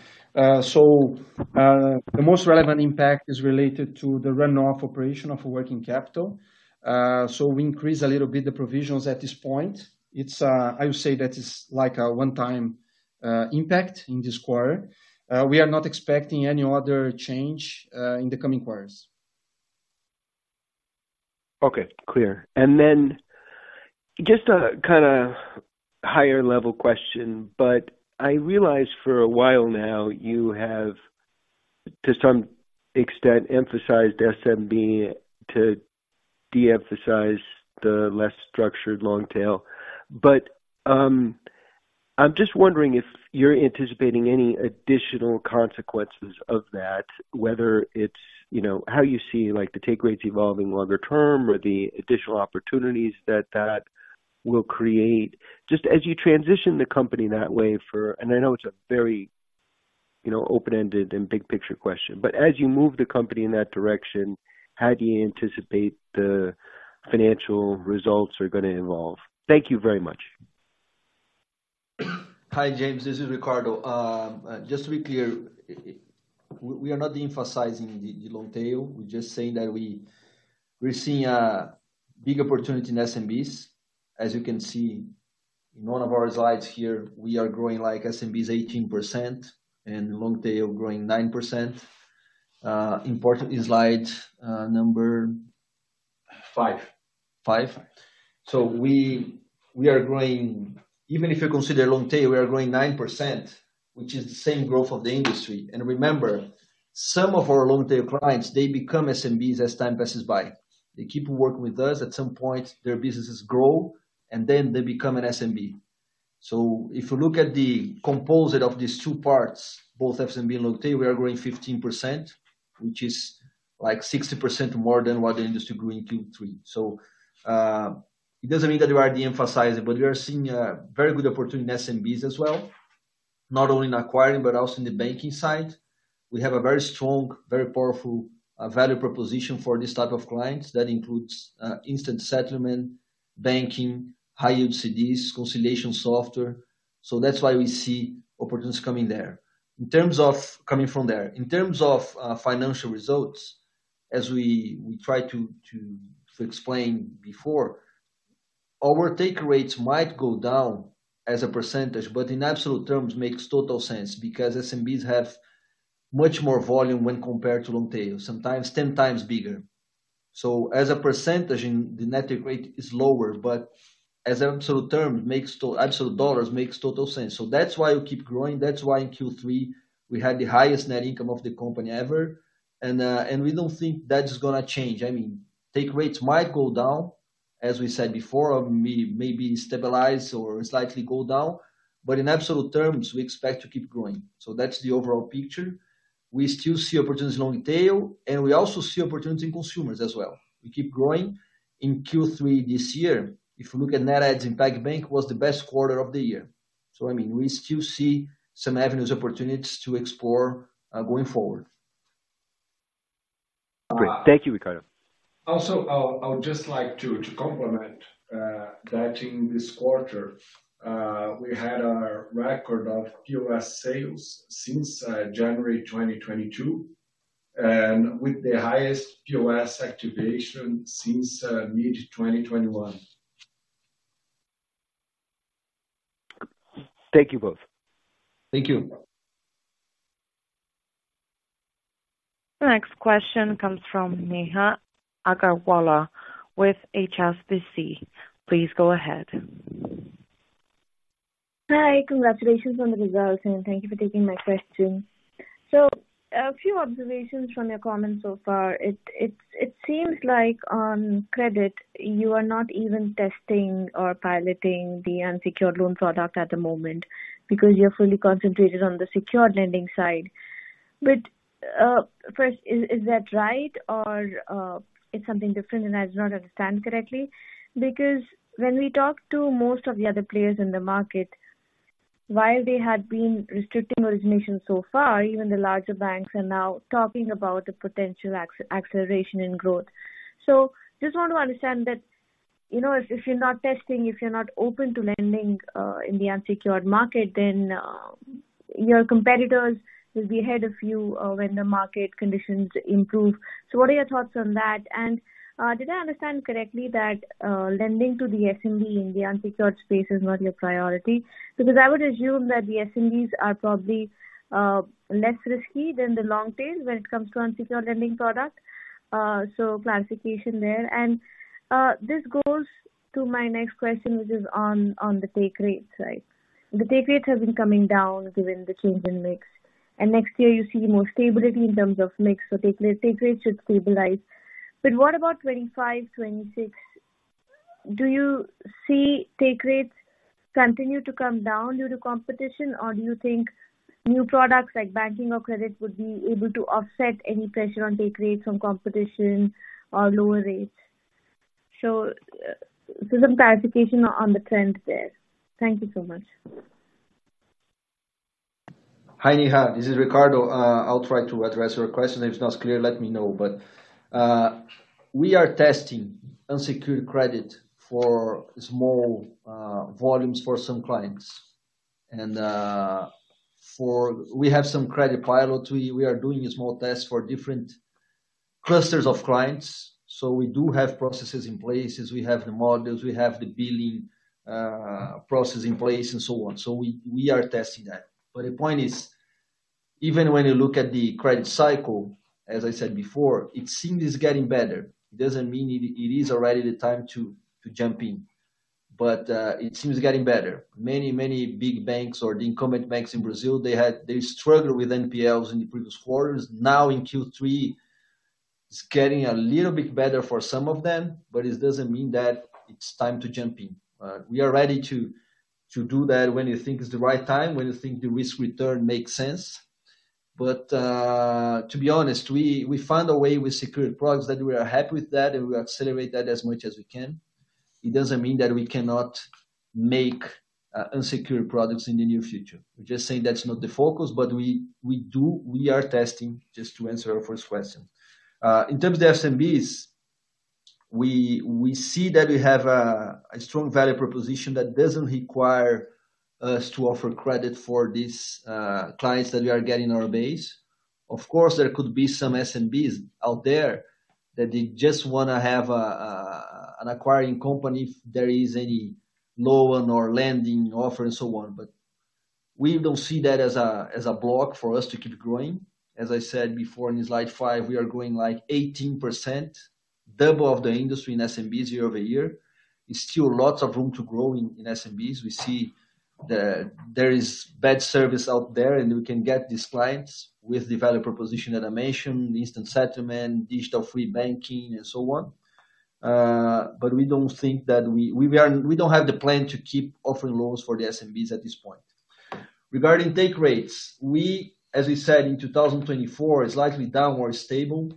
[SPEAKER 5] So, the most relevant impact is related to the runoff operation of working capital. So we increase a little bit the provisions at this point. It's, I would say that it's like a one-time impact in this quarter. We are not expecting any other change in the coming quarters.
[SPEAKER 12] Okay, clear. And then just a kinda higher level question, but I realize for a while now, you have, to some extent, emphasized SMB to de-emphasize the less structured long tail. But, I'm just wondering if you're anticipating any additional consequences of that, whether it's, you know, how you see, like, the take rates evolving longer term or the additional opportunities that, that will create. Just as you transition the company that way for... And I know it's a very, you know, open-ended and big-picture question, but as you move the company in that direction, how do you anticipate the financial results are gonna evolve? Thank you very much.
[SPEAKER 3] Hi, James, this is Ricardo. Just to be clear, we are not de-emphasizing the long tail. We're just saying that we're seeing a big opportunity in SMBs. As you can see in one of our slides here, we are growing like SMBs 18% and long tail growing 9%. Important in slide number-
[SPEAKER 4] Five.
[SPEAKER 3] Five. So we are growing. Even if you consider long tail, we are growing 9%, which is the same growth of the industry. And remember, some of our long tail clients, they become SMBs as time passes by. They keep working with us, at some point, their businesses grow, and then they become an SMB. So if you look at the composite of these two parts, both SMB and long tail, we are growing 15%, which is like 60% more than what the industry grew in Q3. So, it doesn't mean that we are de-emphasizing, but we are seeing a very good opportunity in SMBs as well, not only in acquiring, but also in the banking side. We have a very strong, very powerful value proposition for this type of clients. That includes instant settlement, banking, high-yield CDs, consolidation software. So that's why we see opportunities coming there. In terms of coming from there. In terms of financial results, as we tried to explain before, our take rates might go down as a percentage, but in absolute terms, makes total sense because SMBs have much more volume when compared to long tail, sometimes 10x bigger. So as a percentage, in the net take rate is lower, but as absolute term, absolute dollars, makes total sense. So that's why we keep growing. That's why in Q3, we had the highest net income of the company ever, and we don't think that is gonna change. I mean, take rates might go down, as we said before, of maybe stabilize or slightly go down, but in absolute terms, we expect to keep growing. So that's the overall picture. We still see opportunities in long tail, and we also see opportunity in consumers as well. We keep growing. In Q3 this year, if you look at net adds in PagBank, was the best quarter of the year. So I mean, we still see some avenues, opportunities to explore, going forward.
[SPEAKER 12] Great. Thank you, Ricardo.
[SPEAKER 4] Also, I would just like to complement that in this quarter, we had a record of POS sales since January 2022, and with the highest POS activation since mid-2021.
[SPEAKER 12] Thank you both.
[SPEAKER 3] Thank you.
[SPEAKER 1] The next question comes from Neha Agarwala with HSBC. Please go ahead.
[SPEAKER 13] Hi, congratulations on the results, and thank you for taking my question. So a few observations from your comments so far. It seems like on credit, you are not even testing or piloting the unsecured loan product at the moment because you're fully concentrated on the secured lending side. But first, is that right or it's something different, and I do not understand correctly? Because when we talk to most of the other players in the market, while they had been restricting origination so far, even the larger banks are now talking about the potential acceleration in growth. So just want to understand that, you know, if you're not testing, if you're not open to lending in the unsecured market, then your competitors will be ahead of you when the market conditions improve. So what are your thoughts on that? Did I understand correctly that lending to the SMB in the unsecured space is not your priority? Because I would assume that the SMBs are probably less risky than the long tail when it comes to unsecured lending product. So classification there. And this goes to my next question, which is on the take rates, right? The take rates have been coming down given the change in mix, and next year you see more stability in terms of mix, so take rates should stabilize. But what about 2025, 2026? Do you see take rates continue to come down due to competition, or do you think new products like banking or credit would be able to offset any pressure on take rates from competition or lower rates? So some clarification on the trends there. Thank you so much.
[SPEAKER 3] Hi, Neha, this is Ricardo. I'll try to address your question. If it's not clear, let me know. But we are testing unsecured credit for small volumes for some clients. And we have some credit pilot. We are doing a small test for different clusters of clients, so we do have processes in place. We have the models, we have the billing process in place, and so on. So we are testing that. But the point is, even when you look at the credit cycle, as I said before, it seems it's getting better. It doesn't mean it is already the time to jump in, but it seems getting better. Many big banks or the incumbent banks in Brazil, they struggled with NPLs in the previous quarters. Now in Q3, it's getting a little bit better for some of them, but it doesn't mean that it's time to jump in. We are ready to do that when we think it's the right time, when we think the risk return makes sense. But to be honest, we found a way with secured products that we are happy with that, and we accelerate that as much as we can. It doesn't mean that we cannot make unsecured products in the near future. We're just saying that's not the focus, but we are testing, just to answer your first question. In terms of SMBs, we see that we have a strong value proposition that doesn't require us to offer credit for these clients that we are getting in our base. Of course, there could be some SMBs out there that they just wanna have an acquiring company if there is any loan or lending offer and so on. But we don't see that as a block for us to keep growing. As I said before, in slide five, we are growing like 18%, double of the industry in SMBs year-over-year. It's still lots of room to grow in SMBs. We see there is bad service out there, and we can get these clients with the value proposition that I mentioned, instant settlement, digital free banking, and so on. But we don't think that we are, we don't have the plan to keep offering loans for the SMBs at this point. Regarding take rates, we, as we said, in 2024, it's likely downward stable.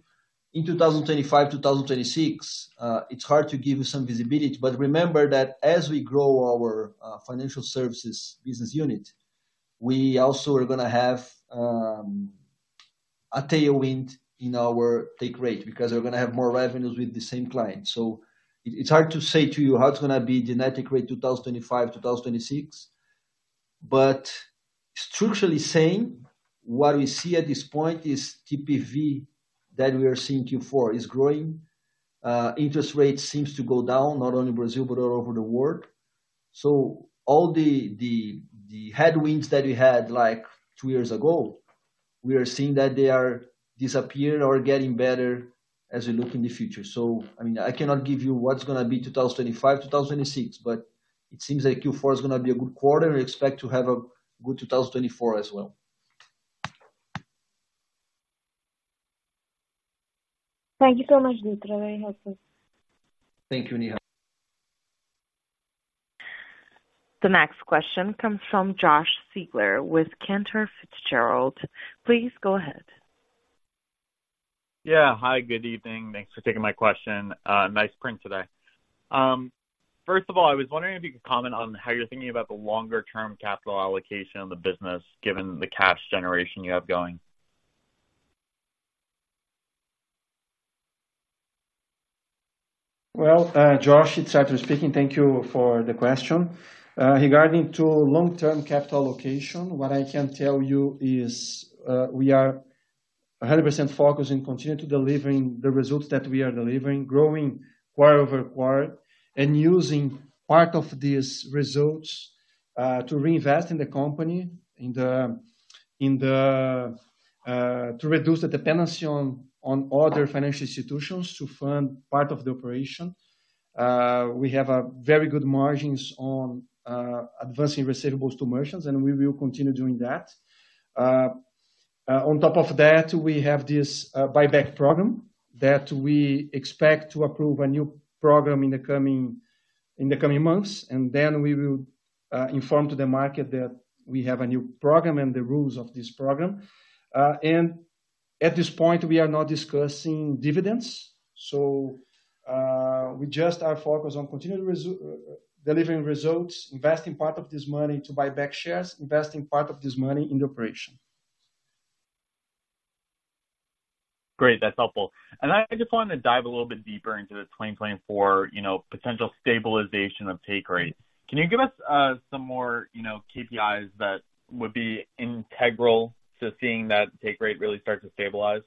[SPEAKER 3] In 2025, 2026, it's hard to give you some visibility, but remember that as we grow our, financial services business unit, we also are gonna have, a tailwind in our take rate because we're gonna have more revenues with the same client. So it, it's hard to say to you how it's gonna be the net take rate in 2025, 2026. But structurally same, what we see at this point is TPV that we are seeing Q4 is growing. Interest rates seems to go down, not only Brazil, but all over the world. So all the headwinds that we had, like two years ago, we are seeing that they are disappearing or getting better as we look in the future. So I mean, I cannot give you what's gonna be 2025, 2026, but it seems like Q4 is gonna be a good quarter. We expect to have a good 2024 as well.
[SPEAKER 13] Thank you so much, Ricardo. Very helpful.
[SPEAKER 3] Thank you, Neha.
[SPEAKER 1] The next question comes from Josh Siegler with Cantor Fitzgerald. Please go ahead.
[SPEAKER 14] Yeah. Hi, good evening. Thanks for taking my question. Nice print today. First of all, I was wondering if you could comment on how you're thinking about the longer-term capital allocation of the business, given the cash generation you have going?
[SPEAKER 3] Well, Josh, it's Ricardo speaking. Thank you for the question. Regarding to long-term capital allocation, what I can tell you is, we are 100% focused in continuing to delivering the results that we are delivering, growing quarter-over-quarter, and using part of these results, to reinvest in the company, in the, in the, to reduce the dependency on, on other financial institutions to fund part of the operation. We have a very good margins on, advancing receivables to merchants, and we will continue doing that. On top of that, we have this, buyback program that we expect to approve a new program in the coming months, and then we will, inform to the market that we have a new program and the rules of this program. And at this point, we are not discussing dividends. So, we just are focused on continuing delivering results, investing part of this money to buy back shares, investing part of this money in the operation.
[SPEAKER 14] Great, that's helpful. And I just want to dive a little bit deeper into the 2024, you know, potential stabilization of take rate. Can you give us some more, you know, KPIs that would be integral to seeing that take rate really start to stabilize?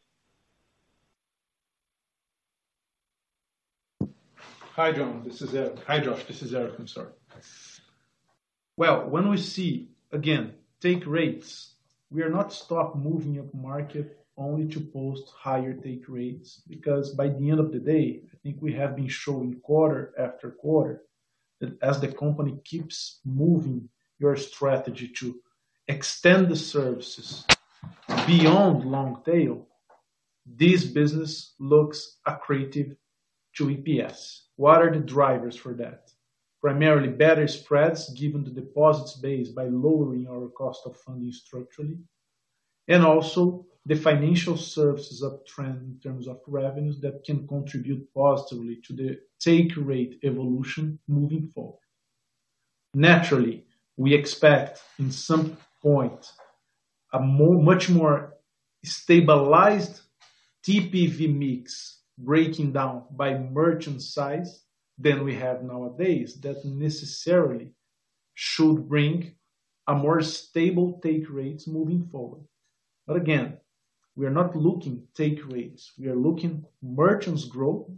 [SPEAKER 2] Hi, John, this is Éric. Hi, Josh, this is Éric. I'm sorry. Well, when we see, again, take rates, we are not stock moving at market only to post higher take rates, because by the end of the day, I think we have been showing quarter after quarter, that as the company keeps moving your strategy to extend the services beyond long tail, this business looks accretive to EPS. What are the drivers for that? Primarily, better spreads, given the deposits base by lowering our cost of funding structurally, and also the financial services uptrend in terms of revenues that can contribute positively to the take rate evolution moving forward. Naturally, we expect in some point, a more, much more stabilized TPV mix, breaking down by merchant size than we have nowadays. That necessarily should bring a more stable take rates moving forward. But again, we are not looking take rates, we are looking merchants growth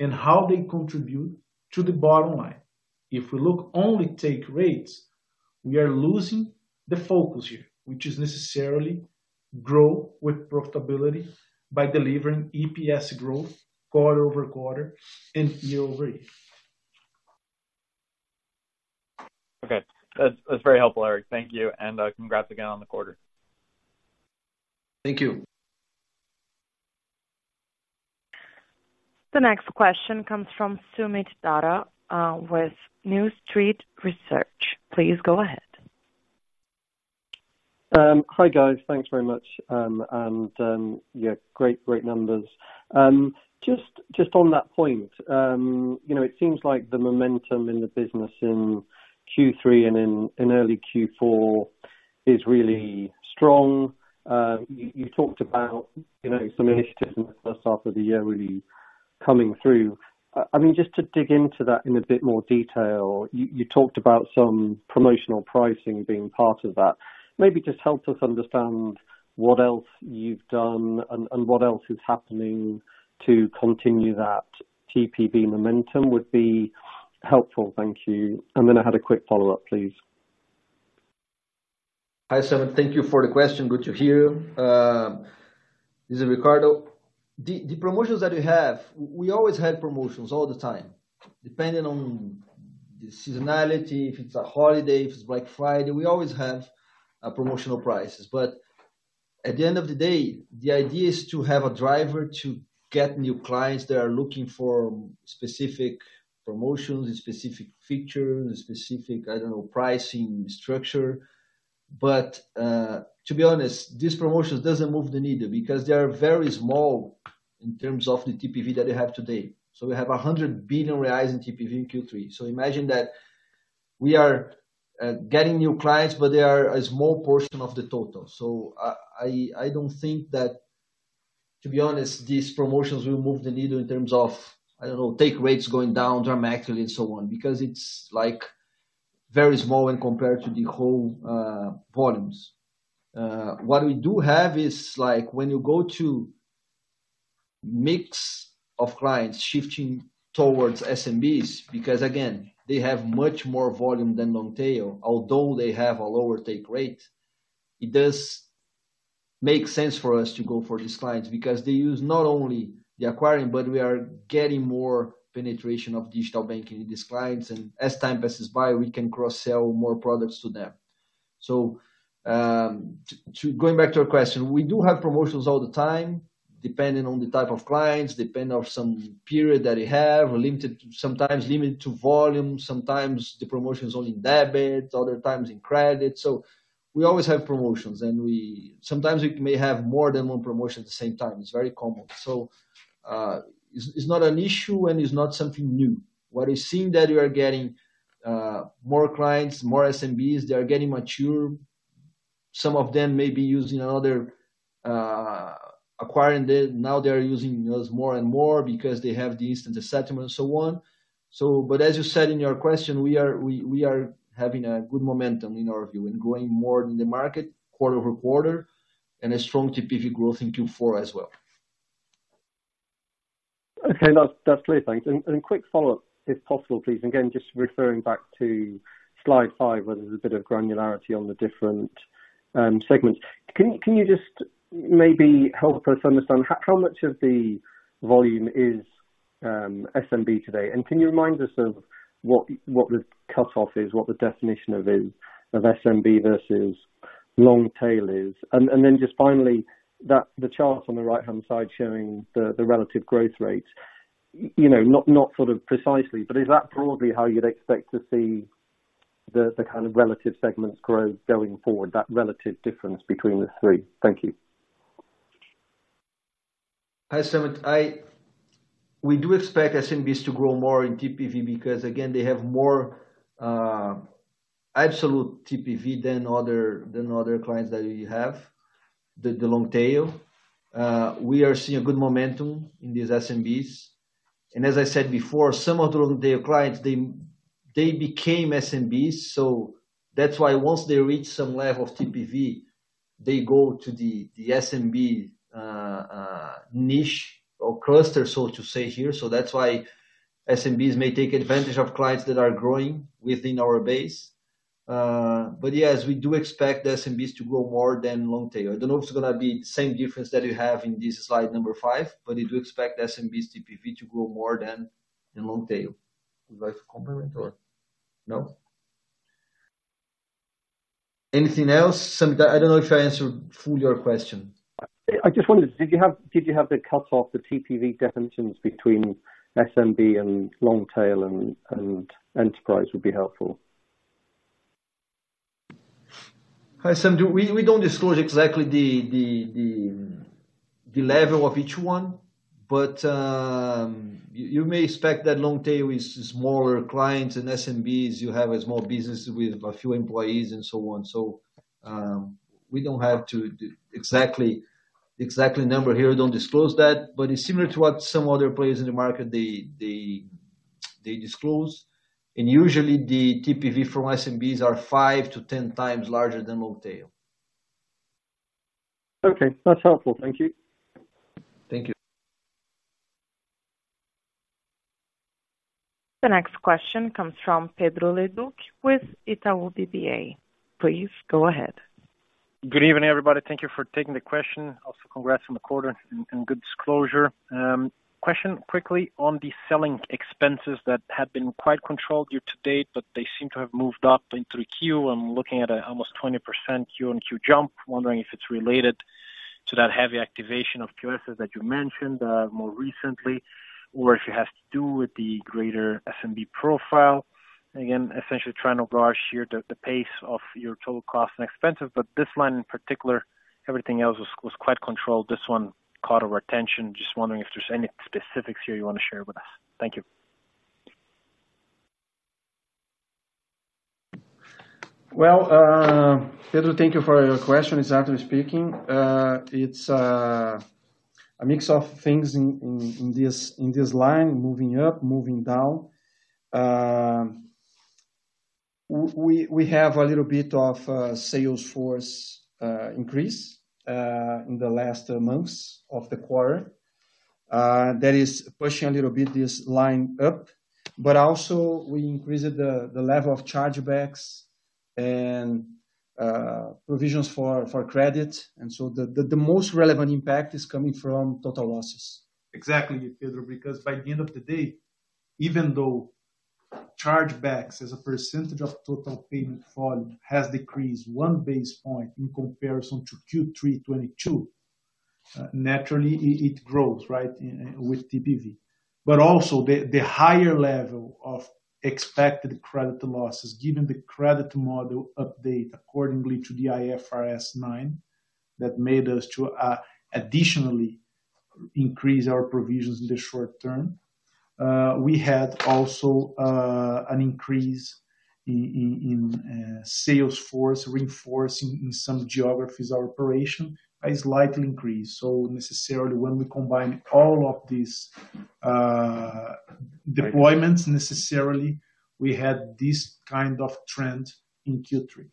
[SPEAKER 2] and how they contribute to the bottom line. If we look only take rates, we are losing the focus here, which is necessarily grow with profitability by delivering EPS growth quarter-over-quarter and year-over-year.
[SPEAKER 14] Okay. That's, that's very helpful, Éric. Thank you, and congrats again on the quarter.
[SPEAKER 2] Thank you.
[SPEAKER 1] The next question comes from Soomit Datta with New Street Research. Please go ahead.
[SPEAKER 15] Hi, guys. Thanks very much. Yeah, great, great numbers. Just on that point, you know, it seems like the momentum in the business in Q3 and in early Q4 is really strong. You talked about, you know, some initiatives in the first half of the year really coming through. I mean, just to dig into that in a bit more detail, you talked about some promotional pricing being part of that. Maybe just help us understand what else you've done and what else is happening to continue that TPV momentum would be helpful. Thank you. And then I had a quick follow-up, please.
[SPEAKER 3] Hi, Soomit. Thank you for the question. Good to hear. This is Ricardo. The promotions that we have, we always had promotions all the time, depending on the seasonality, if it's a holiday, if it's Black Friday, we always have promotional prices. But at the end of the day, the idea is to have a driver to get new clients that are looking for specific promotions and specific features and specific, I don't know, pricing structure. But, to be honest, this promotions doesn't move the needle because they are very small in terms of the TPV that we have today. So we have 100 billion reais in TPV in Q3. So imagine that we are getting new clients, but they are a small portion of the total. So I don't think that, to be honest, these promotions will move the needle in terms of, I don't know, take rates going down dramatically and so on, because it's like very small when compared to the whole, volumes. What we do have is, like, when you go to mix of clients shifting towards SMBs, because again, they have much more volume than long tail, although they have a lower take rate, it does make sense for us to go for these clients because they use not only the acquiring, but we are getting more penetration of digital banking in these clients, and as time passes by, we can cross-sell more products to them. So, going back to your question, we do have promotions all the time, depending on the type of clients, depending on some period that we have, limited—sometimes limited to volume, sometimes the promotion is only in debit, other times in credit. So we always have promotions, and sometimes we may have more than one promotion at the same time. It's very common. So, it's not an issue and it's not something new. What we're seeing is that we are getting more clients, more SMBs, they are getting mature. Some of them may be using another acquirer, now they are using us more and more because they have the instant settlement and so on. So, but as you said in your question, we are having a good momentum in our view and growing more in the market quarter over quarter, and a strong TPV growth in Q4 as well.
[SPEAKER 15] Okay, that's clear. Thanks. And quick follow-up, if possible, please. Again, just referring back to slide five, where there's a bit of granularity on the different segments. Can you just maybe help us understand how much of the volume is SMB today? And can you remind us of what the cutoff is, what the definition of SMB versus long tail is? And then just finally, the chart on the right-hand side showing the relative growth rates, you know, not precisely, but is that broadly how you'd expect to see the kind of relative segments grow going forward, that relative difference between the three? Thank you.
[SPEAKER 3] Hi, Soomit. We do expect SMBs to grow more in TPV because, again, they have more absolute TPV than other clients that we have, the long tail. We are seeing a good momentum in these SMBs, and as I said before, some of their clients they became SMBs, so that's why once they reach some level of TPV, they go to the SMB niche or cluster, so to say here. So that's why SMBs may take advantage of clients that are growing within our base. But yes, we do expect SMBs to grow more than long tail. I don't know if it's gonna be the same difference that you have in this slide number five, but we do expect SMBs TPV to grow more than in long tail. Would you like to complement or no? Anything else, Soomit? I don't know if I answered fully your question.
[SPEAKER 15] I just wondered, did you have the cutoff, the TPV definitions between SMB and long tail and enterprise? Would be helpful.
[SPEAKER 3] Hi, Soomit. We don't disclose exactly the level of each one, but you may expect that long tail with smaller clients and SMBs, you have a small business with a few employees and so on. So, we don't have the exact number here, don't disclose that, but it's similar to what some other players in the market, they disclose. And usually the TPV from SMBs are 5x-10x larger than long tail.
[SPEAKER 15] Okay, that's helpful. Thank you.
[SPEAKER 3] Thank you.
[SPEAKER 1] The next question comes from Pedro Leduc with Itaú BBA. Please, go ahead.
[SPEAKER 16] Good evening, everybody. Thank you for taking the question. Also, congrats on the quarter and, and good disclosure. Question quickly on the selling expenses that have been quite controlled year to date, but they seem to have moved up in 3Q. I'm looking at almost 20% Q-on-Q jump, wondering if it's related to that heavy activation of currencies that you mentioned more recently, or if it has to do with the greater SMB profile. Again, essentially trying to brush here the pace of your total cost and expenses, but this line in particular, everything else was quite controlled. This one caught our attention. Just wondering if there's any specifics here you want to share with us. Thank you.
[SPEAKER 5] Well, Pedro, thank you for your question, this is Artur speaking, it's a mix of things in this line, moving up, moving down. We have a little bit of a sales force increase in the last months of the quarter. That is pushing a little bit this line up, but also we increased the level of chargebacks and provisions for credit. And so the most relevant impact is coming from total losses.
[SPEAKER 2] Exactly, Pedro, because by the end of the day, even though chargebacks as a percentage of total payment fraud has decreased one base point in comparison to Q3 2022, naturally, it grows, right? With TPV. But also the higher level of expected credit losses, given the credit model update accordingly to the IFRS 9, that made us to additionally increase our provisions in the short term. We had also an increase in sales force, reinforcing in some geographies our operation, a slight increase. So necessarily, when we combine all of these deployments, necessarily, we had this kind of trend in Q3.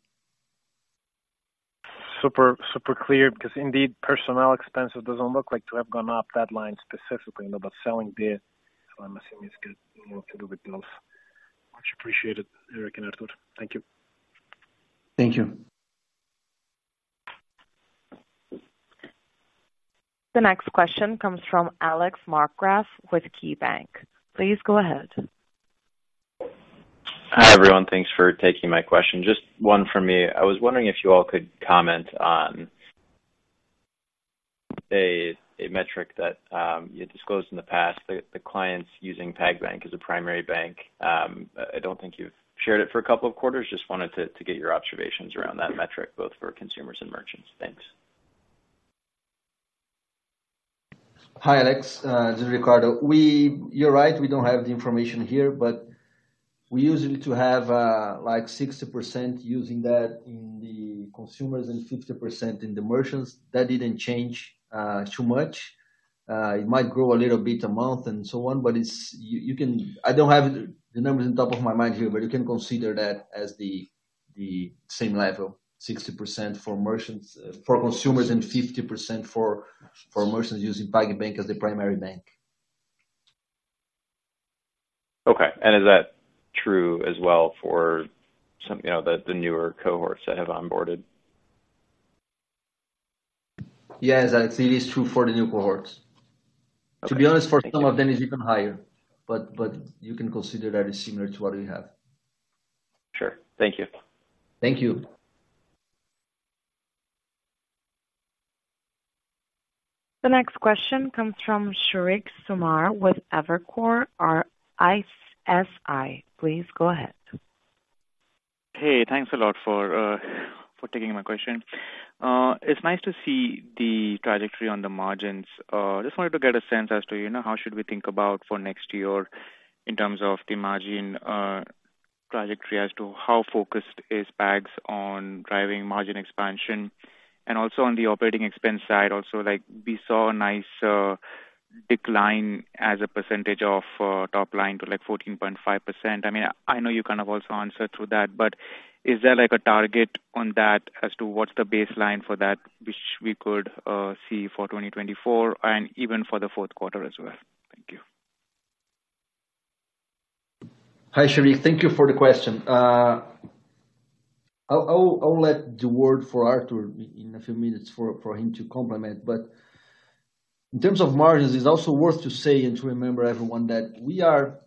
[SPEAKER 16] Super, super clear, because indeed, personnel expenses doesn't look like to have gone up that line specifically, but selling did. So I'm assuming it's got more to do with those. Much appreciated, Éric and Artur. Thank you.
[SPEAKER 2] Thank you.
[SPEAKER 1] The next question comes from Alex Markgraff with KeyBanc. Please go ahead.
[SPEAKER 17] Hi, everyone. Thanks for taking my question. Just one for me. I was wondering if you all could comment on a metric that you disclosed in the past, the clients using PagBank as a primary bank. I don't think you've shared it for a couple of quarters. Just wanted to get your observations around that metric, both for consumers and merchants. Thanks.
[SPEAKER 3] Hi, Alex. This is Ricardo. You're right, we don't have the information here, but we usually to have, like 60% using that in the consumers and 50% in the merchants. That didn't change too much. It might grow a little bit a month and so on, but it's. You can—I don't have the numbers on top of my mind here, but you can consider that as the, the same level, 60% for merchants, for consumers and 50% for merchants using PagBank as the primary bank.
[SPEAKER 17] Okay. Is that true as well for some, you know, the newer cohorts that have onboarded?
[SPEAKER 3] Yes, I think it's true for the new cohorts. To be honest, for some of them it's even higher, but you can consider that is similar to what we have.
[SPEAKER 17] Sure. Thank you.
[SPEAKER 3] Thank you.
[SPEAKER 1] The next question comes from Sheriq Sumar with Evercore ISI. Please go ahead.
[SPEAKER 18] Hey, thanks a lot for, for taking my question. It's nice to see the trajectory on the margins. Just wanted to get a sense as to, you know, how should we think about for next year in terms of the margin, trajectory, as to how focused is PagSeguro on driving margin expansion? And also on the operating expense side, also, like, we saw a nice, decline as a percentage of, top line to, like, 14.5%. I mean, I know you kind of also answered to that, but is there, like, a target on that as to what's the baseline for that, which we could, see for 2024 and even for the fourth quarter as well? Thank you.
[SPEAKER 3] Hi, Sheriq. Thank you for the question. I'll let the word for Artur in a few minutes for him to complement. But in terms of margins, it's also worth to say and to remember everyone, that we are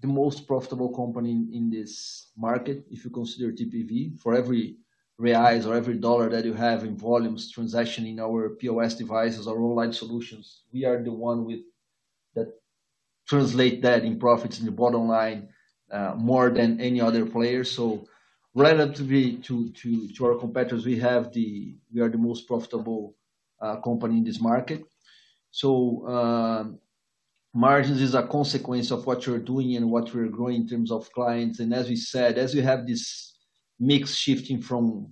[SPEAKER 3] the most profitable company in this market. If you consider TPV for every reais or every dollar that you have in volumes, transaction in our POS devices or online solutions, we are the one with that translate that in profits in the bottom line, more than any other player. So relatively to our competitors, we are the most profitable company in this market. So, margins is a consequence of what you're doing and what we're growing in terms of clients, and as we said, as we have this mix shifting from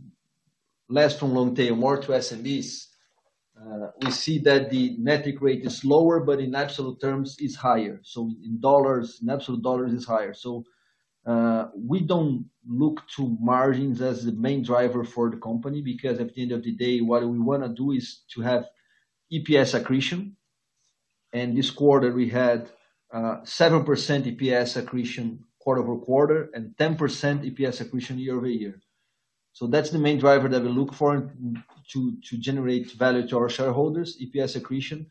[SPEAKER 3] less from long tail, more to SMBs, we see that the net take rate is lower, but in absolute terms is higher. So in dollars, in absolute dollars, is higher. So, we don't look to margins as the main driver for the company, because at the end of the day, what we wanna do is to have EPS accretion. And this quarter we had 7% EPS accretion quarter-over-quarter, and 10% EPS accretion year-over-year. So that's the main driver that we look for to generate value to our shareholders, EPS accretion.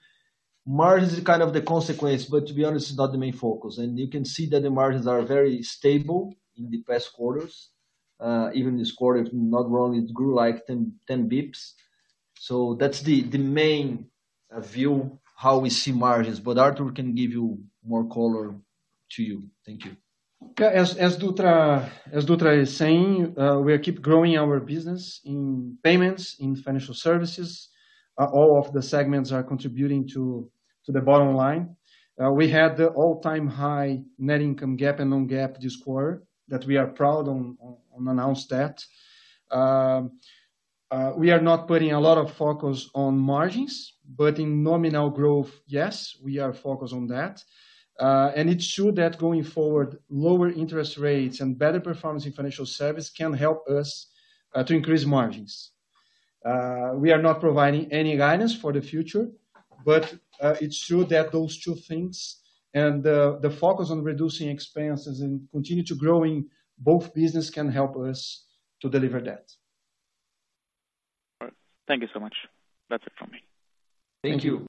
[SPEAKER 3] Margins is kind of the consequence, but to be honest, it's not the main focus. You can see that the margins are very stable in the past quarters. Even this quarter, if I'm not wrong, it grew, like, 10, 10 basis points. So that's the main view, how we see margins, but Artur can give you more color to you. Thank you.
[SPEAKER 5] As Dutra is saying, we keep growing our business in payments, in financial services. All of the segments are contributing to the bottom line. We had the all-time high net income GAAP and non-GAAP this quarter, that we are proud to announce. We are not putting a lot of focus on margins, but in nominal growth, yes, we are focused on that. And it's true that going forward, lower interest rates and better performance in financial service can help us to increase margins. We are not providing any guidance for the future, but it's true that those two things and the focus on reducing expenses and continue to growing both business can help us to deliver that.
[SPEAKER 18] All right. Thank you so much. That's it from me.
[SPEAKER 3] Thank you.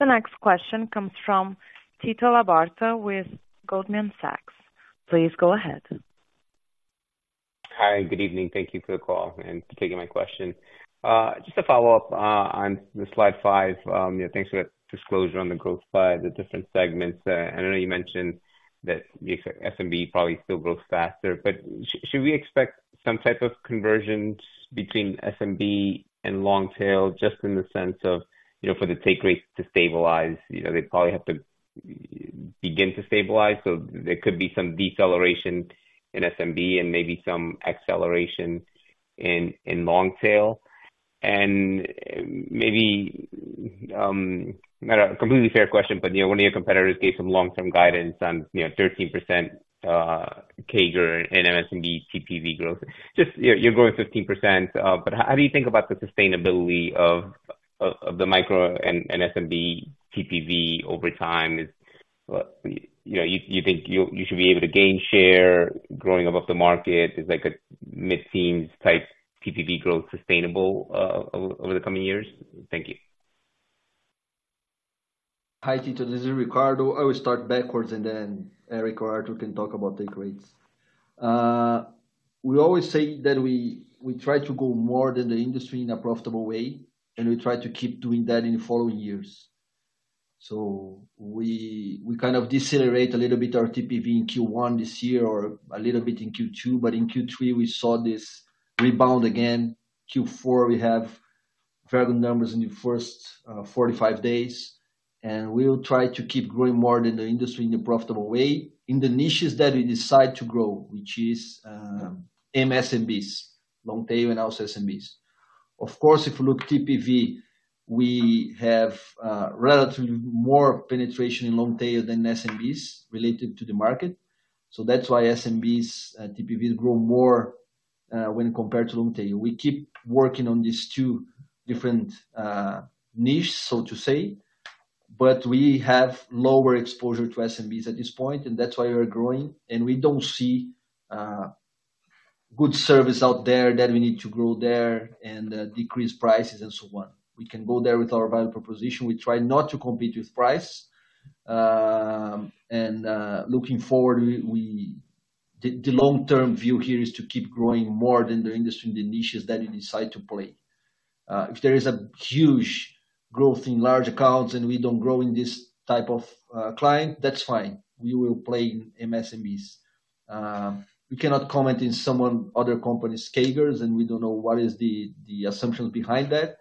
[SPEAKER 1] The next question comes from Tito Labarta with Goldman Sachs. Please go ahead.
[SPEAKER 19] Hi, good evening. Thank you for the call and for taking my question. Just a follow-up on the slide five. Yeah, thanks for that disclosure on the growth by the different segments. And I know you mentioned that the SMB probably still grows faster, but should we expect some type of convergence between SMB and long tail, just in the sense of, you know, for the take rates to stabilize? You know, they probably have to begin to stabilize, so there could be some deceleration in SMB and maybe some acceleration in long tail. And maybe not a completely fair question, but, you know, one of your competitors gave some long-term guidance on, you know, 13% CAGR and MSMB TPV growth. Just, you're growing 15%, but how do you think about the sustainability of the micro and SMB TPV over time? Is, you know, you think you should be able to gain share growing above the market? Is like a mid-teen type TPV growth sustainable, over the coming years? Thank you.
[SPEAKER 3] Hi, Tito, this is Ricardo. I will start backwards and then Éric or Artur can talk about the rates. We always say that we, we try to go more than the industry in a profitable way, and we try to keep doing that in the following years. So we, we kind of decelerate a little bit our TPV in Q1 this year or a little bit in Q2, but in Q3 we saw this rebound again. Q4, we have very good numbers in the first 45 days, and we will try to keep growing more than the industry in a profitable way, in the niches that we decide to grow, which is MSMBs, long tail and also SMBs. Of course, if you look TPV, we have relatively more penetration in long tail than SMBs related to the market. That's why SMBs TPV grow more when compared to long tail. We keep working on these two different niches, so to say. But we have lower exposure to SMBs at this point, and that's why we're growing, and we don't see good service out there that we need to grow there and decrease prices and so on. We can go there with our value proposition. We try not to compete with price. Looking forward, the long-term view here is to keep growing more than the industry, the niches that you decide to play. If there is a huge growth in large accounts and we don't grow in this type of client, that's fine. We will play in MSMBs. We cannot comment in someone, other companies' CAGRs, and we don't know what is the assumptions behind that.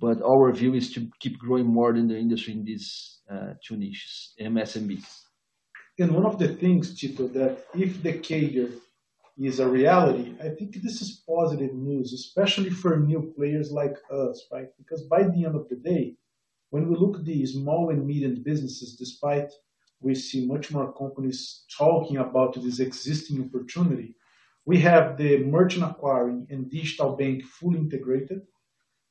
[SPEAKER 3] But our view is to keep growing more than the industry in these two niches, MSMBs.
[SPEAKER 2] And one of the things, Tito, that if the CAGR is a reality, I think this is positive news, especially for new players like us, right? Because by the end of the day, when we look at the small and medium businesses, despite we see much more companies talking about this existing opportunity, we have the merchant acquiring and digital bank fully integrated.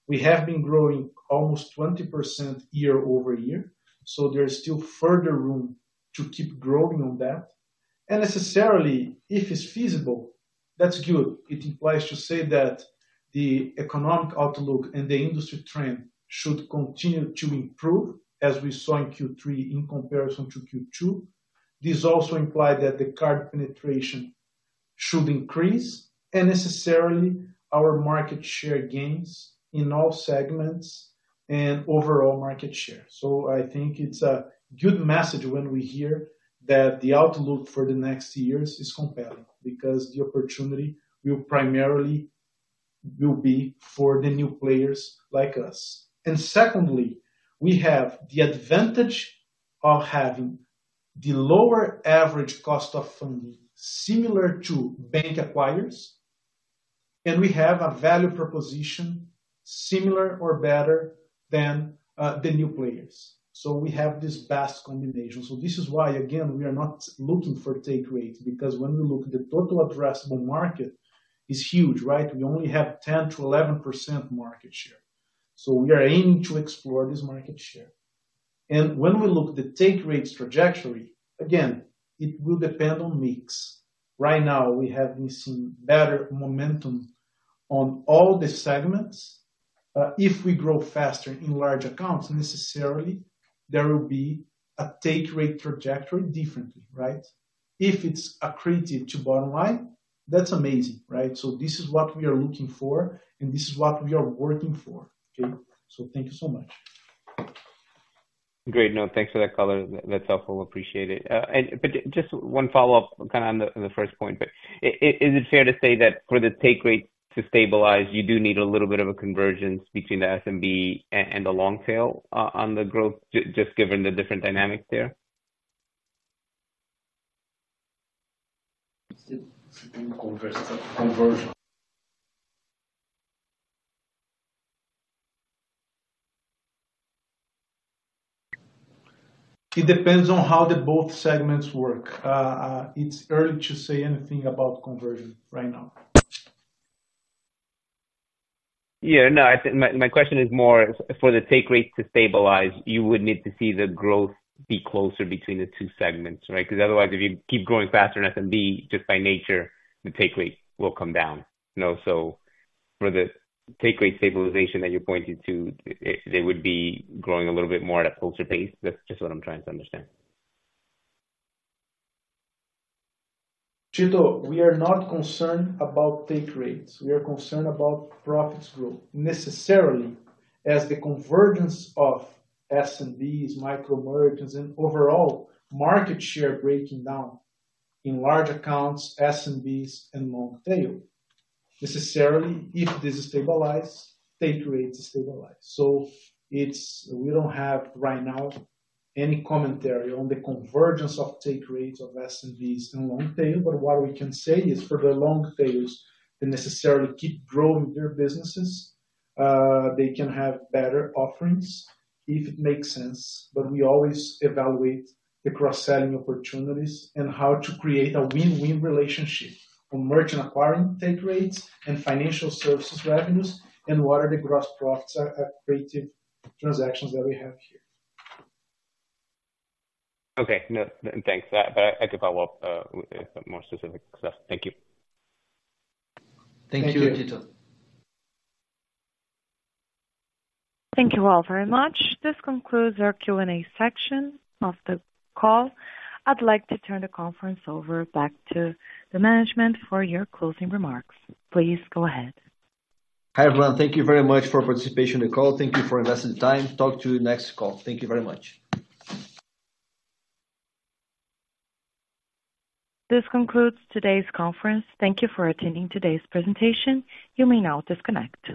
[SPEAKER 2] We have been growing almost 20% year-over-year, so there is still further room to keep growing on that. And necessarily, if it's feasible, that's good. It implies to say that the economic outlook and the industry trend should continue to improve, as we saw in Q3 in comparison to Q2. This also implies that the card penetration should increase, and necessarily our market share gains in all segments and overall market share. So I think it's a good message when we hear that the outlook for the next years is compelling, because the opportunity will primarily be for the new players like us. And secondly, we have the advantage of having the lower average cost of funding, similar to bank acquirers, and we have a value proposition similar or better than the new players. So we have this best combination. So this is why, again, we are not looking for take rates, because when we look, the total addressable market is huge, right? We only have 10%-11% market share. So we are aiming to explore this market share. And when we look at the take rates trajectory, again, it will depend on mix. Right now, we have been seeing better momentum on all the segments. If we grow faster in large accounts, necessarily there will be a take rate trajectory differently, right? If it's accretive to bottom line, that's amazing, right? So this is what we are looking for, and this is what we are working for, okay? So thank you so much.
[SPEAKER 19] Great. No, thanks for that color. That's helpful, appreciate it. And but just one follow-up, kinda on the first point. But is it fair to say that for the take rate to stabilize, you do need a little bit of a convergence between the SMB and the long tail on the growth, just given the different dynamics there?
[SPEAKER 2] Conversion. It depends on how the both segments work. It's early to say anything about conversion right now.
[SPEAKER 19] Yeah, no, I think my question is more for the take rate to stabilize, you would need to see the growth be closer between the two segments, right? Because otherwise, if you keep growing faster in SMB, just by nature, the take rate will come down. You know, so for the take rate stabilization that you pointed to, they would be growing a little bit more at a faster pace. That's just what I'm trying to understand.
[SPEAKER 2] Tito, we are not concerned about take rates. We are concerned about profits growth, necessarily as the convergence of SMBs, micro-merchants, and overall market share breaking down in large accounts, SMBs and long tail. Necessarily, if this stabilize, take rates stabilize. So it's. We don't have, right now, any commentary on the convergence of take rates of SMBs and long tail, but what we can say is for the long tails, they necessarily keep growing their businesses. They can have better offerings, if it makes sense. But we always evaluate the cross-selling opportunities and how to create a win-win relationship for merchant acquiring take rates and financial services revenues, and what are the gross profits accretive transactions that we have here.
[SPEAKER 19] Okay. No, thanks. But I can follow up with some more specific stuff. Thank you.
[SPEAKER 3] Thank you, Tito.
[SPEAKER 1] Thank you all very much. This concludes our Q&A section of the call. I'd like to turn the conference over back to the management for your closing remarks. Please go ahead.
[SPEAKER 3] Hi, everyone. Thank you very much for participation in the call. Thank you for investing the time. Talk to you next call. Thank you very much.
[SPEAKER 1] This concludes today's conference. Thank you for attending today's presentation. You may now disconnect.